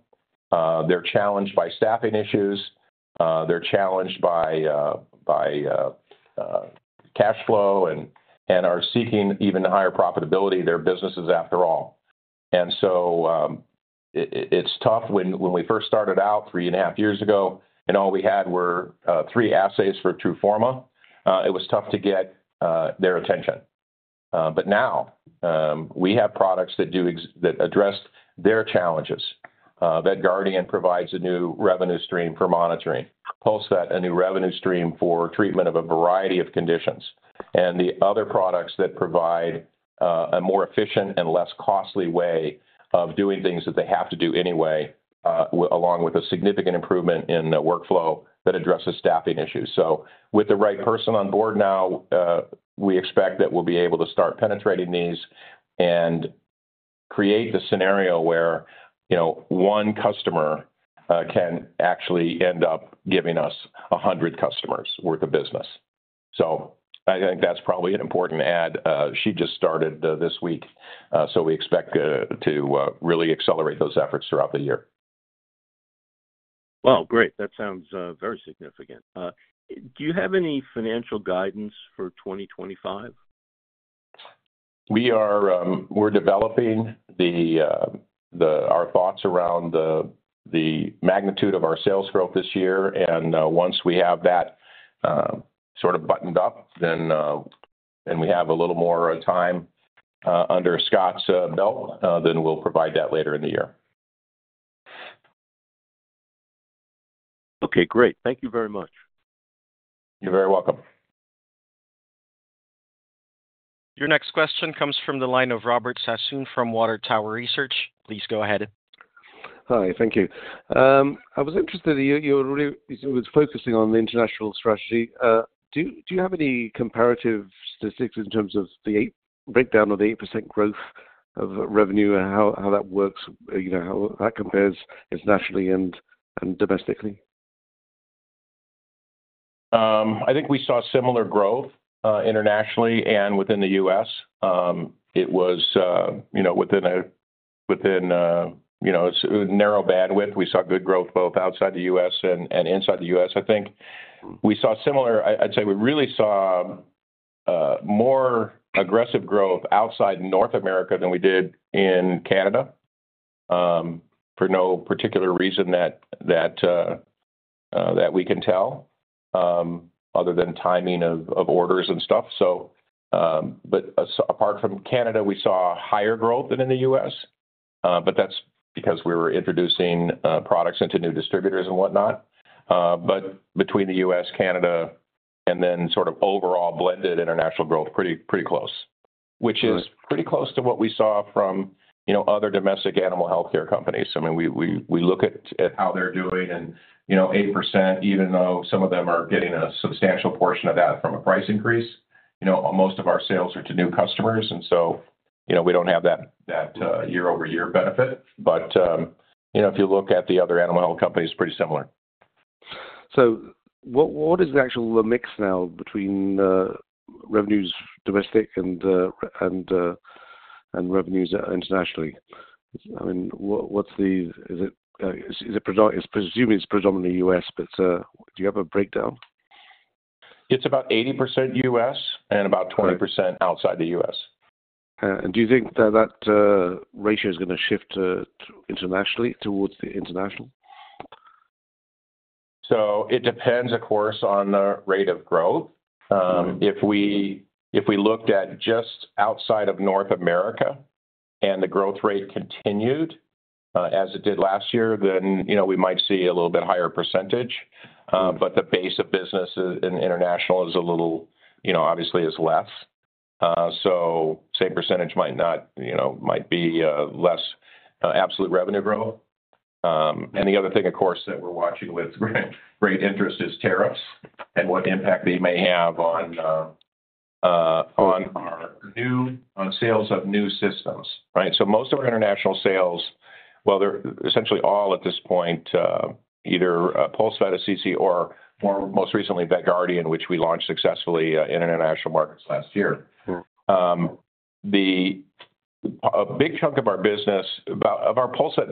Speaker 3: They're challenged by staffing issues. They're challenged by cash flow and are seeking even higher profitability. Their business is after all. It's tough. When we first started out three and a half years ago and all we had were three assays for TRUFORMA, it was tough to get their attention. Now we have products that address their challenges. VetGuardian provides a new revenue stream for monitoring. PulseVet, a new revenue stream for treatment of a variety of conditions. The other products that provide a more efficient and less costly way of doing things that they have to do anyway, along with a significant improvement in the workflow that addresses staffing issues. With the right person on board now, we expect that we'll be able to start penetrating these and create the scenario where one customer can actually end up giving us 100 customers' worth of business. I think that's probably an important add. She just started this week, so we expect to really accelerate those efforts throughout the year.
Speaker 6: That sounds very significant. Do you have any financial guidance for 2025? We are developing our thoughts around the magnitude of our sales growth this year. Once we have that sort of buttoned up and we have a little more time under Scott's belt, then we'll provide that later in the year. Okay. Great. Thank you very much.
Speaker 3: You're very welcome.
Speaker 1: Your next question comes from the line of Robert Sassoon from Water Tower Research. Please go ahead.
Speaker 7: Hi. Thank you. I was interested in your really focusing on the international strategy. Do you have any comparative statistics in terms of the breakdown of the 8% growth of revenue and how that works, how that compares internationally and domestically?
Speaker 3: I think we saw similar growth internationally and within the U.S. It was within a narrow bandwidth. We saw good growth both outside the U.S. and inside the U.S. I think we saw similar—I’d say we really saw more aggressive growth outside North America than we did in Canada for no particular reason that we can tell other than timing of orders and stuff. Apart from Canada, we saw higher growth than in the U.S., but that's because we were introducing products into new distributors and whatnot. Between the U.S., Canada, and then sort of overall blended international growth, pretty close, which is pretty close to what we saw from other domestic animal healthcare companies. I mean, we look at how they're doing and 8%, even though some of them are getting a substantial portion of that from a price increase. Most of our sales are to new customers, and so we don't have that year-over-year benefit. If you look at the other animal health companies, it's pretty similar.
Speaker 7: What is the actual mix now between revenues domestic and revenues internationally? I mean, is it presumably it's predominantly U.S., but do you have a breakdown?
Speaker 3: It's about 80% U.S. and about 20% outside the U.S.
Speaker 7: Do you think that ratio is going to shift internationally towards the international?
Speaker 3: It depends, of course, on the rate of growth. If we looked at just outside of North America and the growth rate continued as it did last year, we might see a little bit higher percentage. The base of business in international is a little—obviously, it is less. The same percentage might be less absolute revenue growth. The other thing, of course, that we are watching with great interest is tariffs and what impact they may have on our sales of new systems, right? Most of our international sales, they are essentially all at this point either PulseVet, Assisi, or most recently, VETGuardian, which we launched successfully in international markets last year. A big chunk of our business, of our PulseVet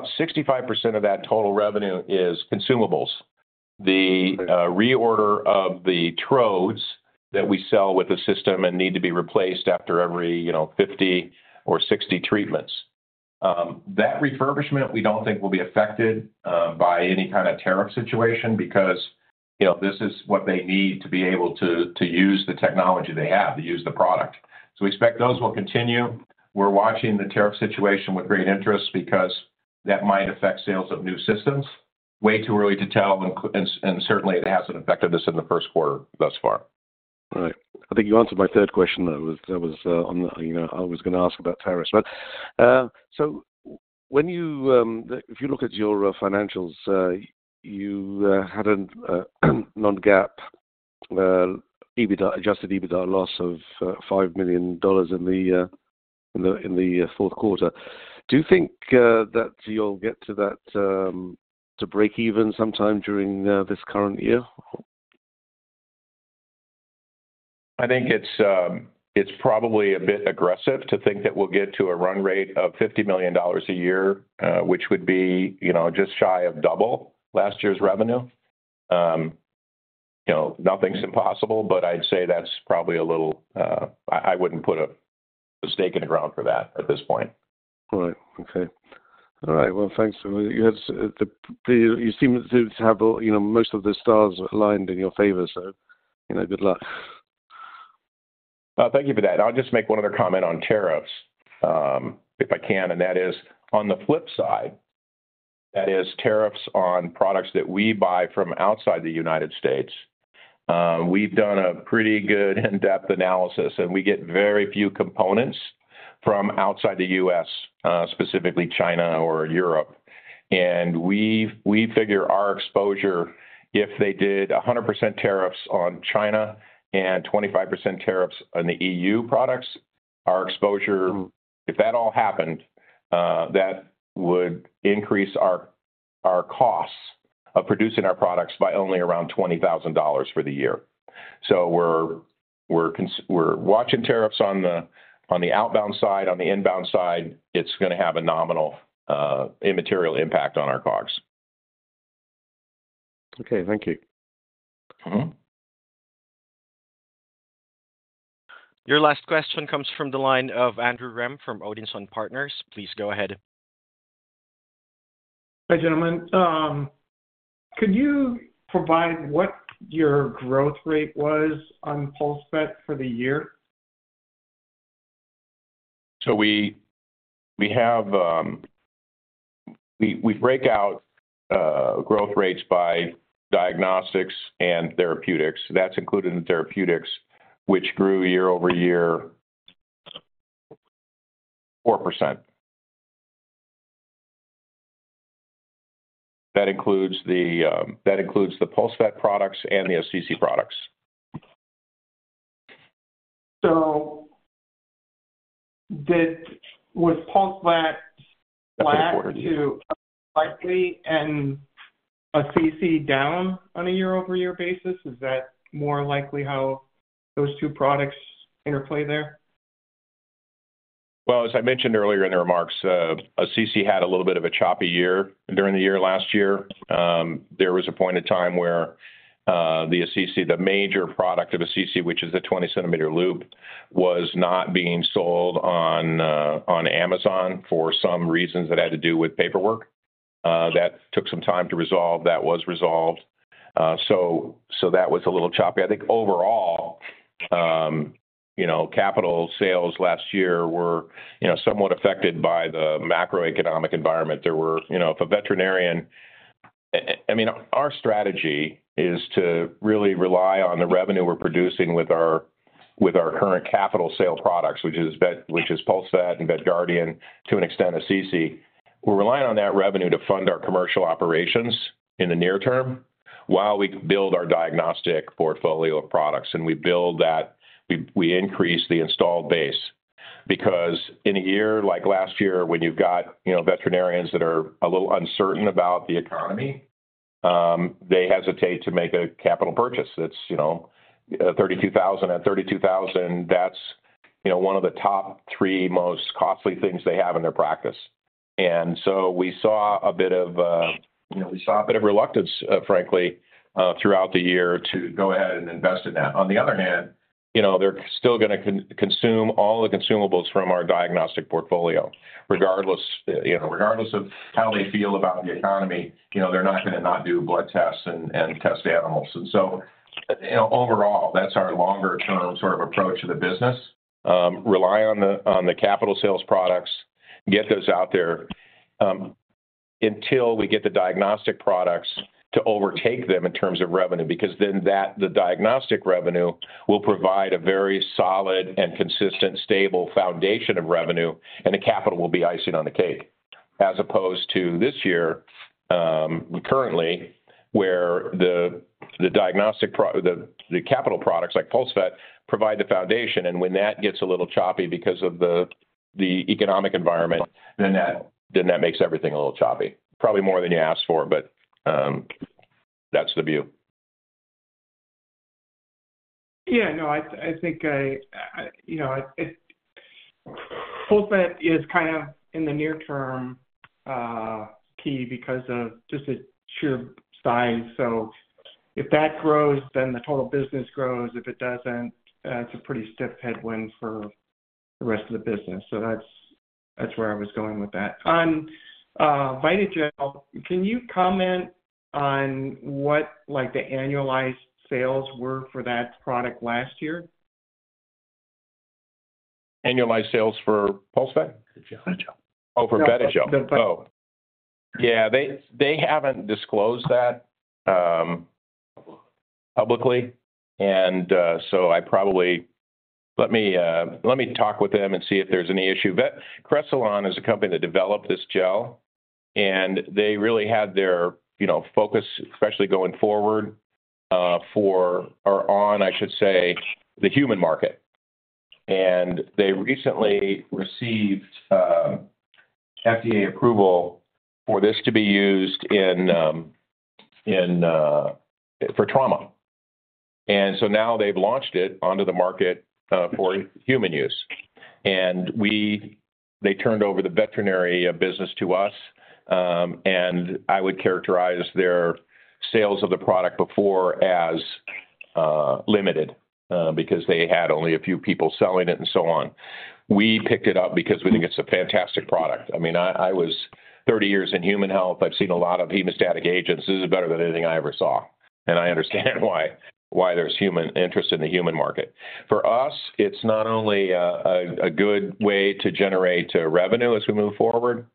Speaker 3: business, about 65% of that total revenue is consumables. The reorder of the trodes that we sell with the system and need to be replaced after every 50 or 60 treatments. That refurbishment, we don't think will be affected by any kind of tariff situation because this is what they need to be able to use the technology they have, to use the product. So we expect those will continue. We're watching the tariff situation with great interest because that might affect sales of new systems. Way too early to tell, and certainly, it hasn't affected us in the first quarter thus far.
Speaker 7: Right. I think you answered my third question that was on the—I was going to ask about tariffs. If you look at your financials, you had an non-GAAP Adjusted EBITDA loss of $5 million in the fourth quarter. Do you think that you'll get to that break-even sometime during this current year?
Speaker 3: I think it's probably a bit aggressive to think that we'll get to a run rate of $50 million a year, which would be just shy of double last year's revenue. Nothing's impossible, but I'd say that's probably a little—I wouldn't put a stake in the ground for that at this point.
Speaker 7: Right. Okay. All right. Thanks. You seem to have most of the stars aligned in your favor, so good luck.
Speaker 3: Thank you for that. I'll just make one other comment on tariffs if I can, and that is, on the flip side, that is tariffs on products that we buy from outside the United States. We've done a pretty good in-depth analysis, and we get very few components from outside the U.S., specifically China or Europe. We figure our exposure, if they did 100% tariffs on China and 25% tariffs on the EU products, our exposure, if that all happened, that would increase our costs of producing our products by only around $20,000 for the year. We are watching tariffs on the outbound side. On the inbound side, it's going to have a nominal immaterial impact on our costs.
Speaker 7: Thank you.
Speaker 1: Your last question comes from the line of Andrew Rem from Odinson Partners. Please go ahead.
Speaker 8: Hi, gentlemen. Could you provide what your growth rate was on PulseVet for the year?
Speaker 3: We break out growth rates by diagnostics and therapeutics. That's included in therapeutics, which grew year-over-year 4%. That includes the PulseVet products and the Assisi products.
Speaker 8: Was PulseVet flat to likely and Assisi down on a year-over-year basis? Is that more likely how those two products interplay there?
Speaker 3: As I mentioned earlier in the remarks, Assisi had a little bit of a choppy year during the year last year. There was a point in time where the Assisi, the major product of Assisi, which is a 20-centimeter loop, was not being sold on Amazon for some reasons that had to do with paperwork. That took some time to resolve. That was resolved. That was a little choppy. I think overall, capital sales last year were somewhat affected by the macroeconomic environment. If a veterinarian—I mean, our strategy is to really rely on the revenue we're producing with our current capital sale products, which is PulseVet and VETGuardian, to an extent Assisi. We're relying on that revenue to fund our commercial operations in the near term while we build our diagnostic portfolio of products. We build that; we increase the installed base. Because in a year like last year, when you've got veterinarians that are a little uncertain about the economy, they hesitate to make a capital purchase. That's $32,000. At $32,000, that's one of the top three most costly things they have in their practice. We saw a bit of reluctance, frankly, throughout the year to go ahead and invest in that. On the other hand, they're still going to consume all the consumables from our diagnostic portfolio. Regardless of how they feel about the economy, they're not going to not do blood tests and test animals. Overall, that's our longer-term sort of approach to the business: rely on the capital sales products, get those out there until we get the diagnostic products to overtake them in terms of revenue. Because then the diagnostic revenue will provide a very solid and consistent, stable foundation of revenue, and the capital will be icing on the cake, as opposed to this year currently where the diagnostic capital products like PulseVet provide the foundation. When that gets a little choppy because of the economic environment, that makes everything a little choppy. Probably more than you asked for, but that's the view.
Speaker 8: Yeah. No, I think PulseVet is kind of in the near-term key because of just its sheer size. If that grows, then the total business grows. If it does not, it's a pretty stiff headwind for the rest of the business. That is where I was going with that. On VETIGEL, can you comment on what the annualized sales were for that product last year?
Speaker 3: Annualized sales for PulseVet?
Speaker 8: VETIGEL.
Speaker 3: Oh, for VETIGEL. Oh. Yeah. They have not disclosed that publicly. I probably—let me talk with them and see if there's any issue. Cresilon is a company that developed this gel, and they really had their focus, especially going forward, or on, I should say, the human market. They recently received FDA approval for this to be used for trauma. Now they've launched it onto the market for human use. They turned over the veterinary business to us. I would characterize their sales of the product before as limited because they had only a few people selling it and so on. We picked it up because we think it's a fantastic product. I mean, I was 30 years in human health. I've seen a lot of hemostatic agents. This is better than anything I ever saw. I understand why there's human interest in the human market. For us, it's not only a good way to generate revenue as we move forward,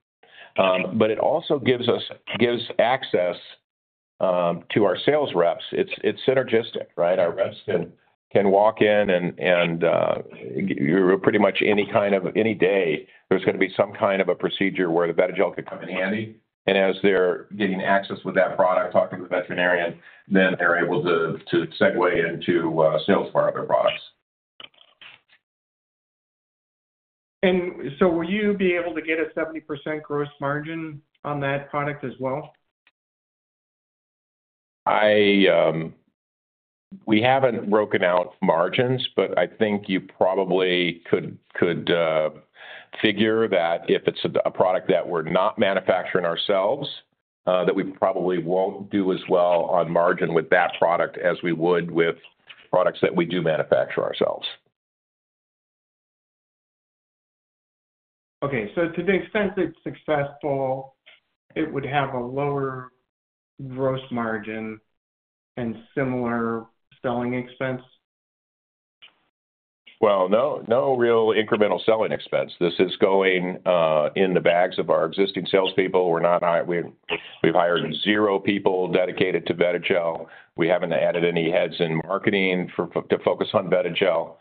Speaker 3: but it also gives us access to our sales reps. It's synergistic, right? Our reps can walk in, and pretty much any kind of—any day, there's going to be some kind of a procedure where the VETIGEL could come in handy. As they're getting access with that product, talking to the veterinarian, then they're able to segue into sales for other products.
Speaker 8: Will you be able to get a 70% gross margin on that product as well?
Speaker 3: We haven't broken out margins, but I think you probably could figure that if it's a product that we're not manufacturing ourselves, that we probably won't do as well on margin with that product as we would with products that we do manufacture ourselves.
Speaker 8: Okay. To the extent it's successful, it would have a lower gross margin and similar selling expense?
Speaker 3: No real incremental selling expense. This is going in the bags of our existing salespeople. We've hired zero people dedicated to VETIGEL. We haven't added any heads in marketing to focus on VETIGEL.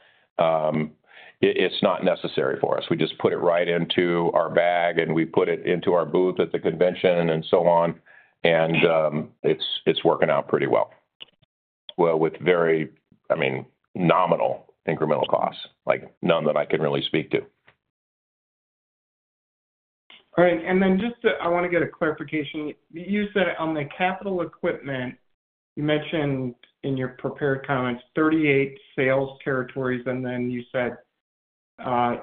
Speaker 3: It's not necessary for us. We just put it right into our bag, and we put it into our booth at the convention and so on. It's working out pretty well with very, I mean, nominal incremental costs, none that I can really speak to.
Speaker 8: All right. I want to get a clarification. You said on the capital equipment, you mentioned in your prepared comments 38 sales territories, and then you said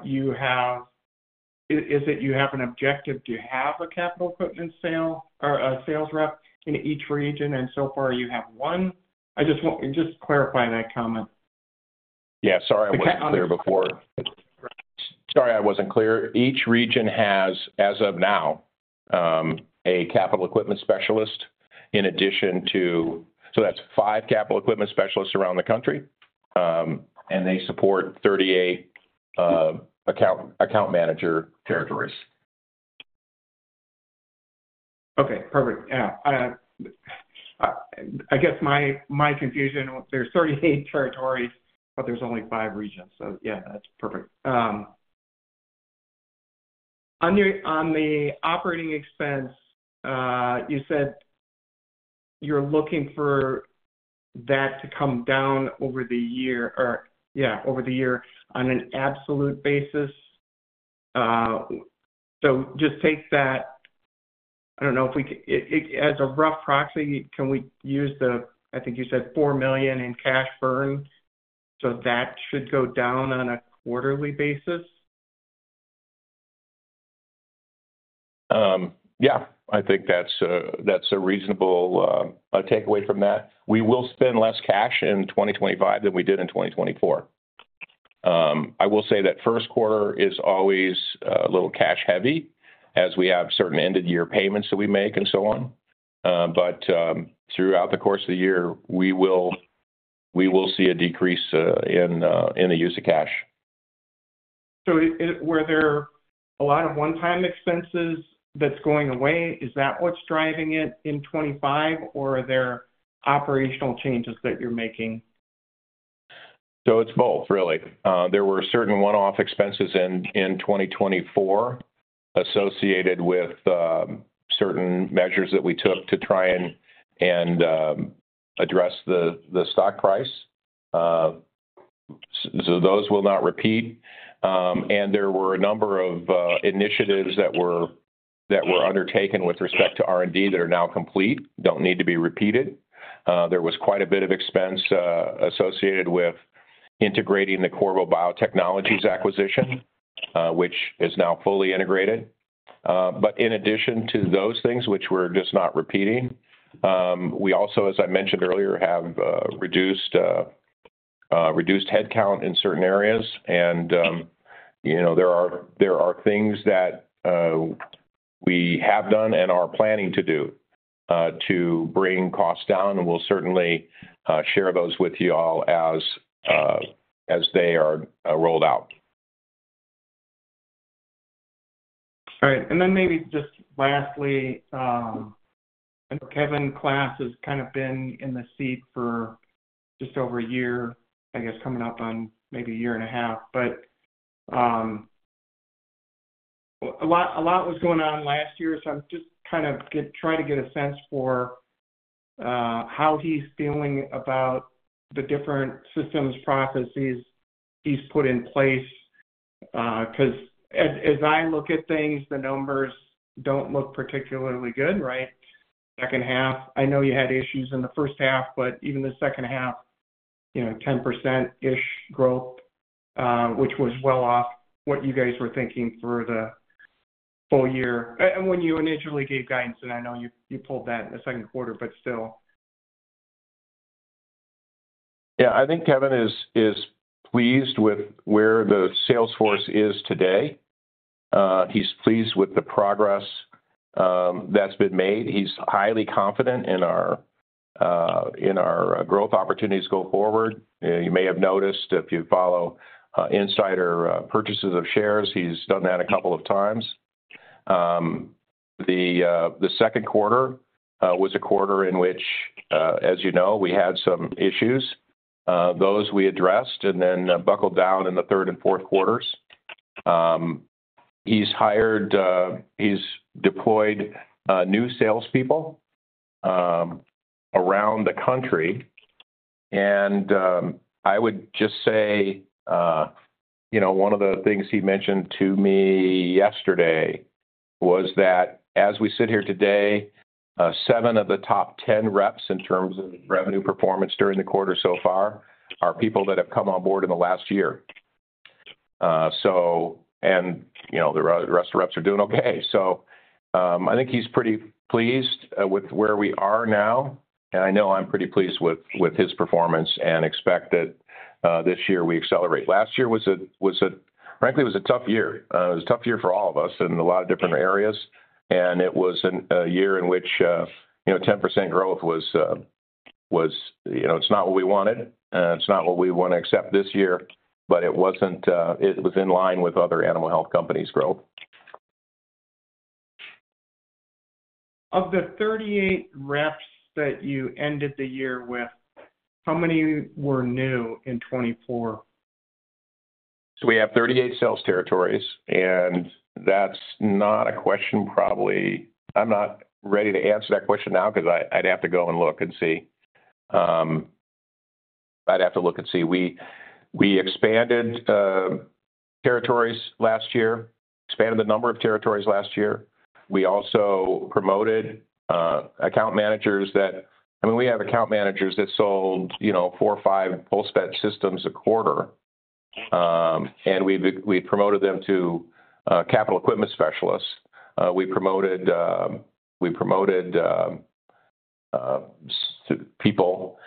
Speaker 8: you have—is it you have an objective? Do you have a capital equipment sale or a sales rep in each region? So far, you have one. I just want to clarify that comment.
Speaker 3: Yeah. Sorry, I wasn't clear before. Sorry, I wasn't clear. Each region has, as of now, a capital equipment specialist in addition to—so that's five capital equipment specialists around the country, and they support 38 account manager territories.
Speaker 8: Okay. Perfect. Yeah. I guess my confusion, there's 38 territories, but there's only five regions. So yeah, that's perfect. On the operating expense, you said you're looking for that to come down over the year or, yeah, over the year on an absolute basis. Just take that—I don't know if we can—as a rough proxy, can we use the—I think you said $4 million in cash burn? So that should go down on a quarterly basis.
Speaker 3: Yeah. I think that's a reasonable takeaway from that. We will spend less cash in 2025 than we did in 2024. I will say that first quarter is always a little cash-heavy as we have certain end-of-year payments that we make and so on. Throughout the course of the year, we will see a decrease in the use of cash.
Speaker 8: Were there a lot of one-time expenses that's going away? Is that what's driving it in 2025, or are there operational changes that you're making?
Speaker 3: It's both, really. There were certain one-off expenses in 2024 associated with certain measures that we took to try and address the stock price. Those will not repeat. There were a number of initiatives that were undertaken with respect to R&D that are now complete, don't need to be repeated. There was quite a bit of expense associated with integrating the Qorvo Biotechnologies acquisition, which is now fully integrated. In addition to those things, which we're just not repeating, we also, as I mentioned earlier, have reduced headcount in certain areas. There are things that we have done and are planning to do to bring costs down. We'll certainly share those with you all as they are rolled out.
Speaker 8: All right. Maybe just lastly, I know Kevin Klass has kind of been in the seat for just over a year, I guess, coming up on maybe a year and a half. A lot was going on last year. I'm just kind of trying to get a sense for how he's feeling about the different systems, processes he's put in place. Because as I look at things, the numbers don't look particularly good, right? Second half. I know you had issues in the first half, but even the second half, 10%-ish growth, which was well off what you guys were thinking for the full year. When you initially gave guidance, and I know you pulled that in the second quarter, but still.
Speaker 3: Yeah. I think Kevin is pleased with where the Salesforce is today. He's pleased with the progress that's been made. He's highly confident in our growth opportunities going forward. You may have noticed if you follow insider purchases of shares, he's done that a couple of times. The second quarter was a quarter in which, as you know, we had some issues. Those we addressed and then buckled down in the third and fourth quarters. He's deployed new salespeople around the country. I would just say one of the things he mentioned to me yesterday was that as we sit here today, seven of the top 10 reps in terms of revenue performance during the quarter so far are people that have come on board in the last year. The rest of the reps are doing okay. I think he's pretty pleased with where we are now. I know I'm pretty pleased with his performance and expect that this year we accelerate. Last year was a—frankly, it was a tough year. It was a tough year for all of us in a lot of different areas. It was a year in which 10% growth was—it's not what we wanted. It's not what we want to accept this year, but it was in line with other animal health companies' growth.
Speaker 8: Of the 38 reps that you ended the year with, how many were new in 2024?
Speaker 3: We have 38 sales territories. That is not a question probably—I am not ready to answer that question now because I would have to go and look and see. I would have to look and see. We expanded territories last year, expanded the number of territories last year. We also promoted account managers that—I mean, we have account managers that sold four or five PulseVet systems a quarter. We promoted them to capital equipment specialists. We promoted people.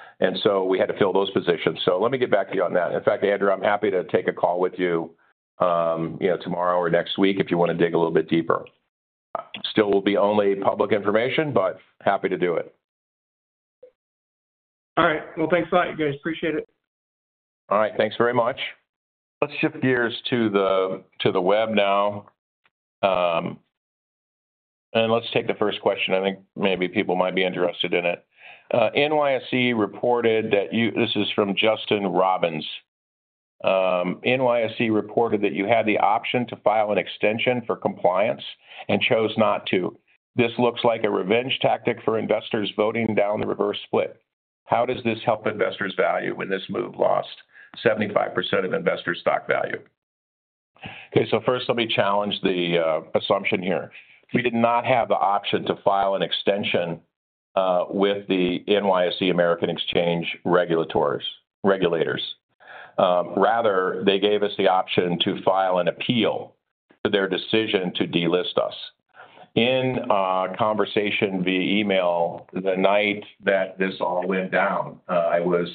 Speaker 3: We had to fill those positions. Let me get back to you on that. In fact, Andrew, I am happy to take a call with you tomorrow or next week if you want to dig a little bit deeper. It will still be only public information, but happy to do it.
Speaker 8: All right. Thanks a lot, you guys. Appreciate it.
Speaker 3: All right. Thanks very much. Let's shift gears to the web now. Let's take the first question. I think maybe people might be interested in it. NYSE reported that you—this is from Justin Robbins. NYSE reported that you had the option to file an extension for compliance and chose not to. This looks like a revenge tactic for investors voting down the reverse split. How does this help investors' value when this move lost 75% of investors' stock value? Okay. First, let me challenge the assumption here. We did not have the option to file an extension with the NYSE American regulators. Rather, they gave us the option to file an appeal to their decision to delist us. In conversation via email, the night that this all went down, I was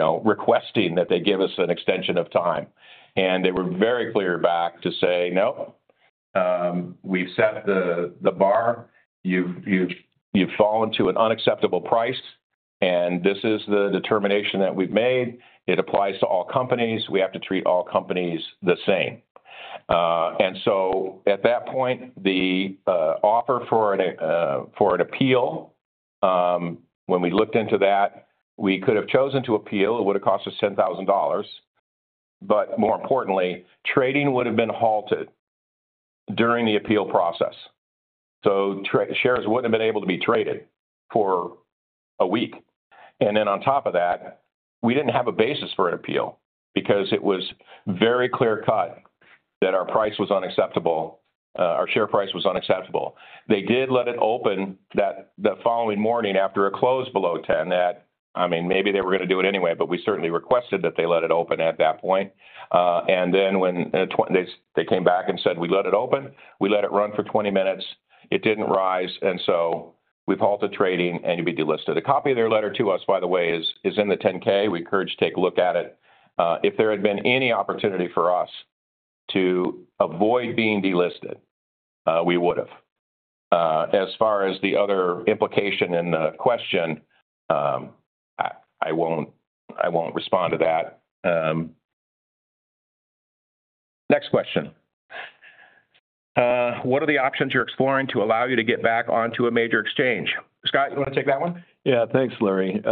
Speaker 3: requesting that they give us an extension of time. They were very clear back to say, "Nope. We've set the bar. You've fallen to an unacceptable price. This is the determination that we've made. It applies to all companies. We have to treat all companies the same." At that point, the offer for an appeal, when we looked into that, we could have chosen to appeal. It would have cost us $10,000. More importantly, trading would have been halted during the appeal process. Shares wouldn't have been able to be traded for a week. On top of that, we didn't have a basis for an appeal because it was very clear-cut that our price was unacceptable. Our share price was unacceptable. They did let it open the following morning after a close below 10 that, I mean, maybe they were going to do it anyway, but we certainly requested that they let it open at that point. When they came back and said, "We let it open. We let it run for 20 minutes. It did not rise. And so we have halted trading, and you will be delisted." A copy of their letter to us, by the way, is in the Form 10-K. We encourage you to take a look at it. If there had been any opportunity for us to avoid being delisted, we would have. As far as the other implication in the question, I will not respond to that. Next question. What are the options you are exploring to allow you to get back onto a major exchange? Scott, you want to take that one?
Speaker 5: Yeah. Thanks, Larry.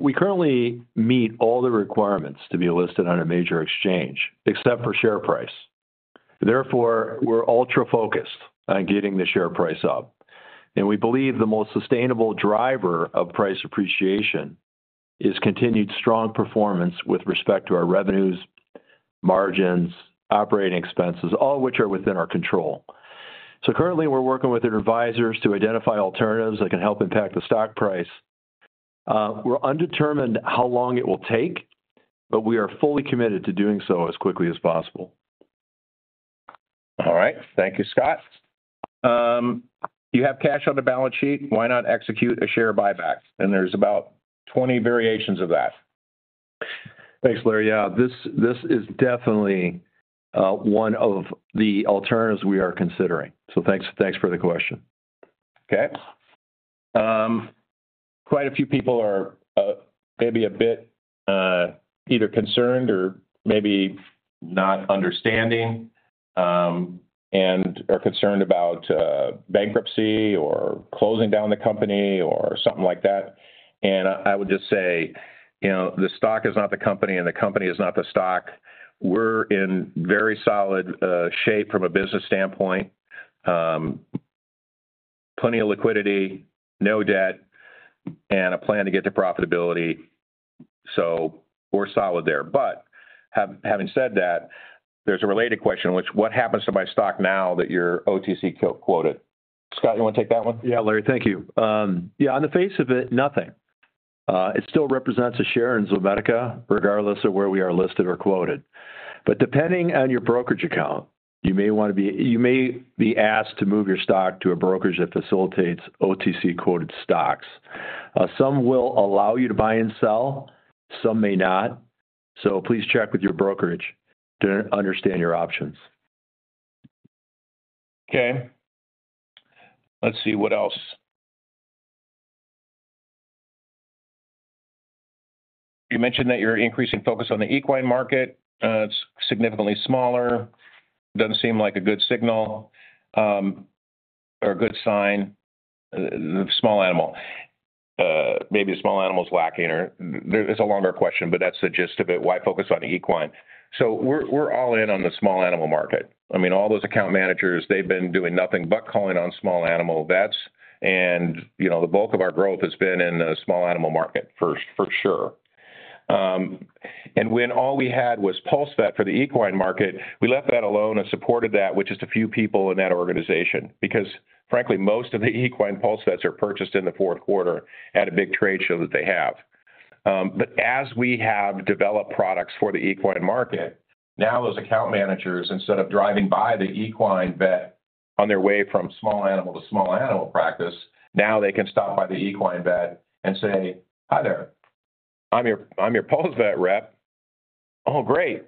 Speaker 5: We currently meet all the requirements to be listed on a major exchange, except for share price. Therefore, we're ultra-focused on getting the share price up. We believe the most sustainable driver of price appreciation is continued strong performance with respect to our revenues, margins, operating expenses, all of which are within our control. Currently, we're working with our advisors to identify alternatives that can help impact the stock price. We're undetermined how long it will take, but we are fully committed to doing so as quickly as possible.
Speaker 3: All right. Thank you, Scott. You have cash on the balance sheet. Why not execute a share buyback? There are about 20 variations of that.
Speaker 5: Thanks, Larry. Yeah. This is definitely one of the alternatives we are considering. Thanks for the question.
Speaker 3: Okay. Quite a few people are maybe a bit either concerned or maybe not understanding and are concerned about bankruptcy or closing down the company or something like that. I would just say the stock is not the company, and the company is not the stock. We're in very solid shape from a business standpoint, plenty of liquidity, no debt, and a plan to get to profitability. We're solid there. Having said that, there's a related question, which is, what happens to my stock now that you're OTC quoted? Scott, you want to take that one?
Speaker 5: Yeah, Larry, thank you. Yeah. On the face of it, nothing. It still represents a share in Zomedica regardless of where we are listed or quoted. Depending on your brokerage account, you may want to be—you may be asked to move your stock to a brokerage that facilitates OTC quoted stocks. Some will allow you to buy and sell. Some may not. Please check with your brokerage to understand your options.
Speaker 3: Okay. Let's see what else. You mentioned that you're increasing focus on the equine market. It's significantly smaller. Doesn't seem like a good signal or a good sign. Small animal. Maybe the small animal is lacking. It's a longer question, but that's the gist of it. Why focus on the equine? We're all in on the small animal market. I mean, all those account managers, they've been doing nothing but calling on small animal vets. The bulk of our growth has been in the small animal market for sure. When all we had was PulseVet for the equine market, we left that alone and supported that with just a few people in that organization. Because frankly, most of the equine PulseVets are purchased in the fourth quarter at a big trade show that they have. As we have developed products for the equine market, now those account managers, instead of driving by the equine vet on their way from small animal to small animal practice, now they can stop by the equine vet and say, "Hi there. I'm your PulseVet rep. Oh, great.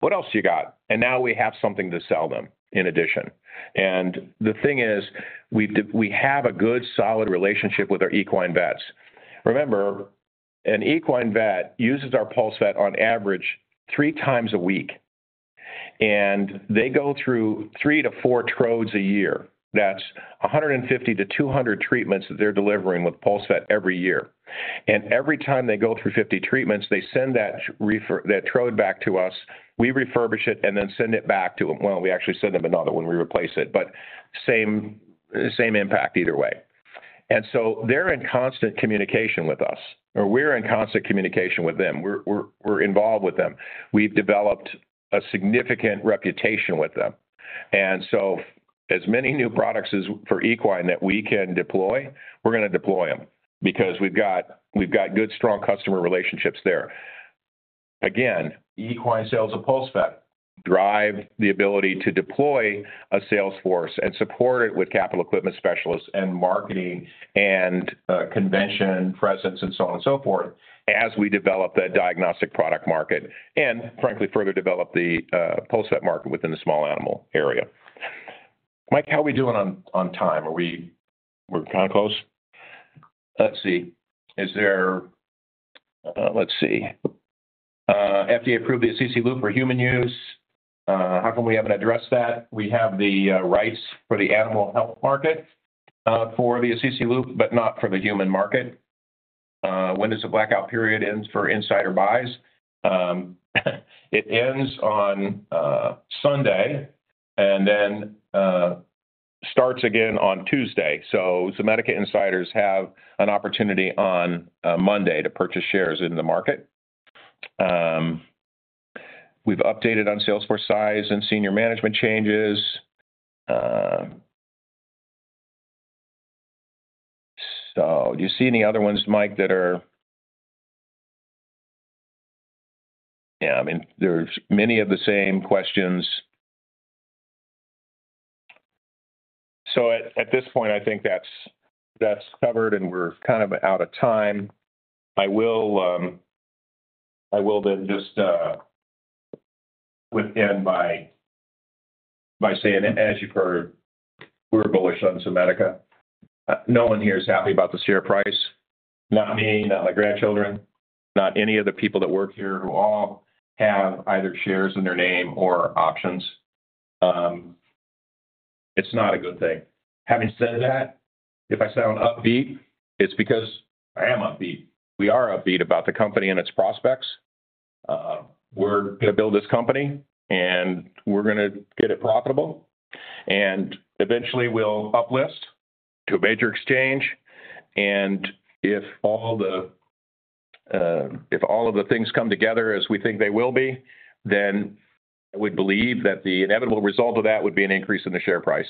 Speaker 3: What else you got?" Now we have something to sell them in addition. The thing is, we have a good solid relationship with our equine vets. Remember, an equine vet uses our PulseVet on average three times a week. They go through three to four trodes a year. That's 150-200 treatments that they're delivering with PulseVet every year. Every time they go through 50 treatments, they send that trode back to us. We refurbish it and then send it back to them. We actually send them another when we replace it, but same impact either way. They are in constant communication with us, or we are in constant communication with them. We are involved with them. We have developed a significant reputation with them. As many new products for equine that we can deploy, we are going to deploy them because we have good, strong customer relationships there. Again, equine sales of PulseVet drive the ability to deploy a Salesforce and support it with capital equipment specialists and marketing and convention presence and so on and so forth as we develop that diagnostic product market and, frankly, further develop the PulseVet market within the small animal area. Mike, how are we doing on time? Are we—we are kind of close? Let's see. Let's see. FDA approved the Assisi LOOP for human use. How come we haven't addressed that? We have the rights for the animal health market for the Assisi LOOP, but not for the human market. When does the blackout period end for insider buys? It ends on Sunday and then starts again on Tuesday. Zomedica insiders have an opportunity on Monday to purchase shares in the market. We've updated on Salesforce size and senior management changes. Do you see any other ones, Mike, that are—yeah, I mean, there's many of the same questions. At this point, I think that's covered, and we're kind of out of time. I will then just within my—by saying, as you've heard, we're bullish on Zomedica. No one here is happy about the share price. Not me, not my grandchildren, not any of the people that work here who all have either shares in their name or options. It's not a good thing. Having said that, if I sound upbeat, it's because I am upbeat. We are upbeat about the company and its prospects. We're going to build this company, and we're going to get it profitable. Eventually, we'll uplist to a major exchange. If all of the things come together as we think they will be, then I would believe that the inevitable result of that would be an increase in the share price.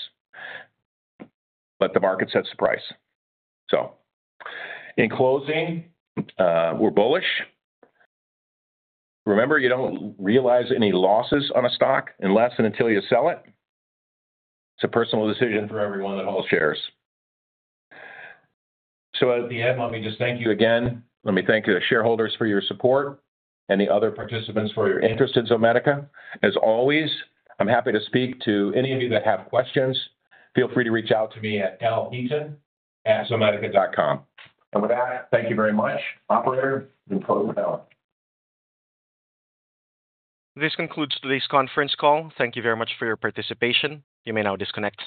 Speaker 3: The market sets the price. In closing, we're bullish. Remember, you don't realize any losses on a stock unless and until you sell it. It's a personal decision for everyone that holds shares. At the end, let me just thank you again. Let me thank the shareholders for your support and the other participants for your interest in Zomedica. As always, I'm happy to speak to any of you that have questions. Feel free to reach out to me at lheaton@zomedica.com. With that, thank you very much, Operator, you may close now.
Speaker 1: This concludes today's conference call. Thank you very much for your participation. You may now disconnect.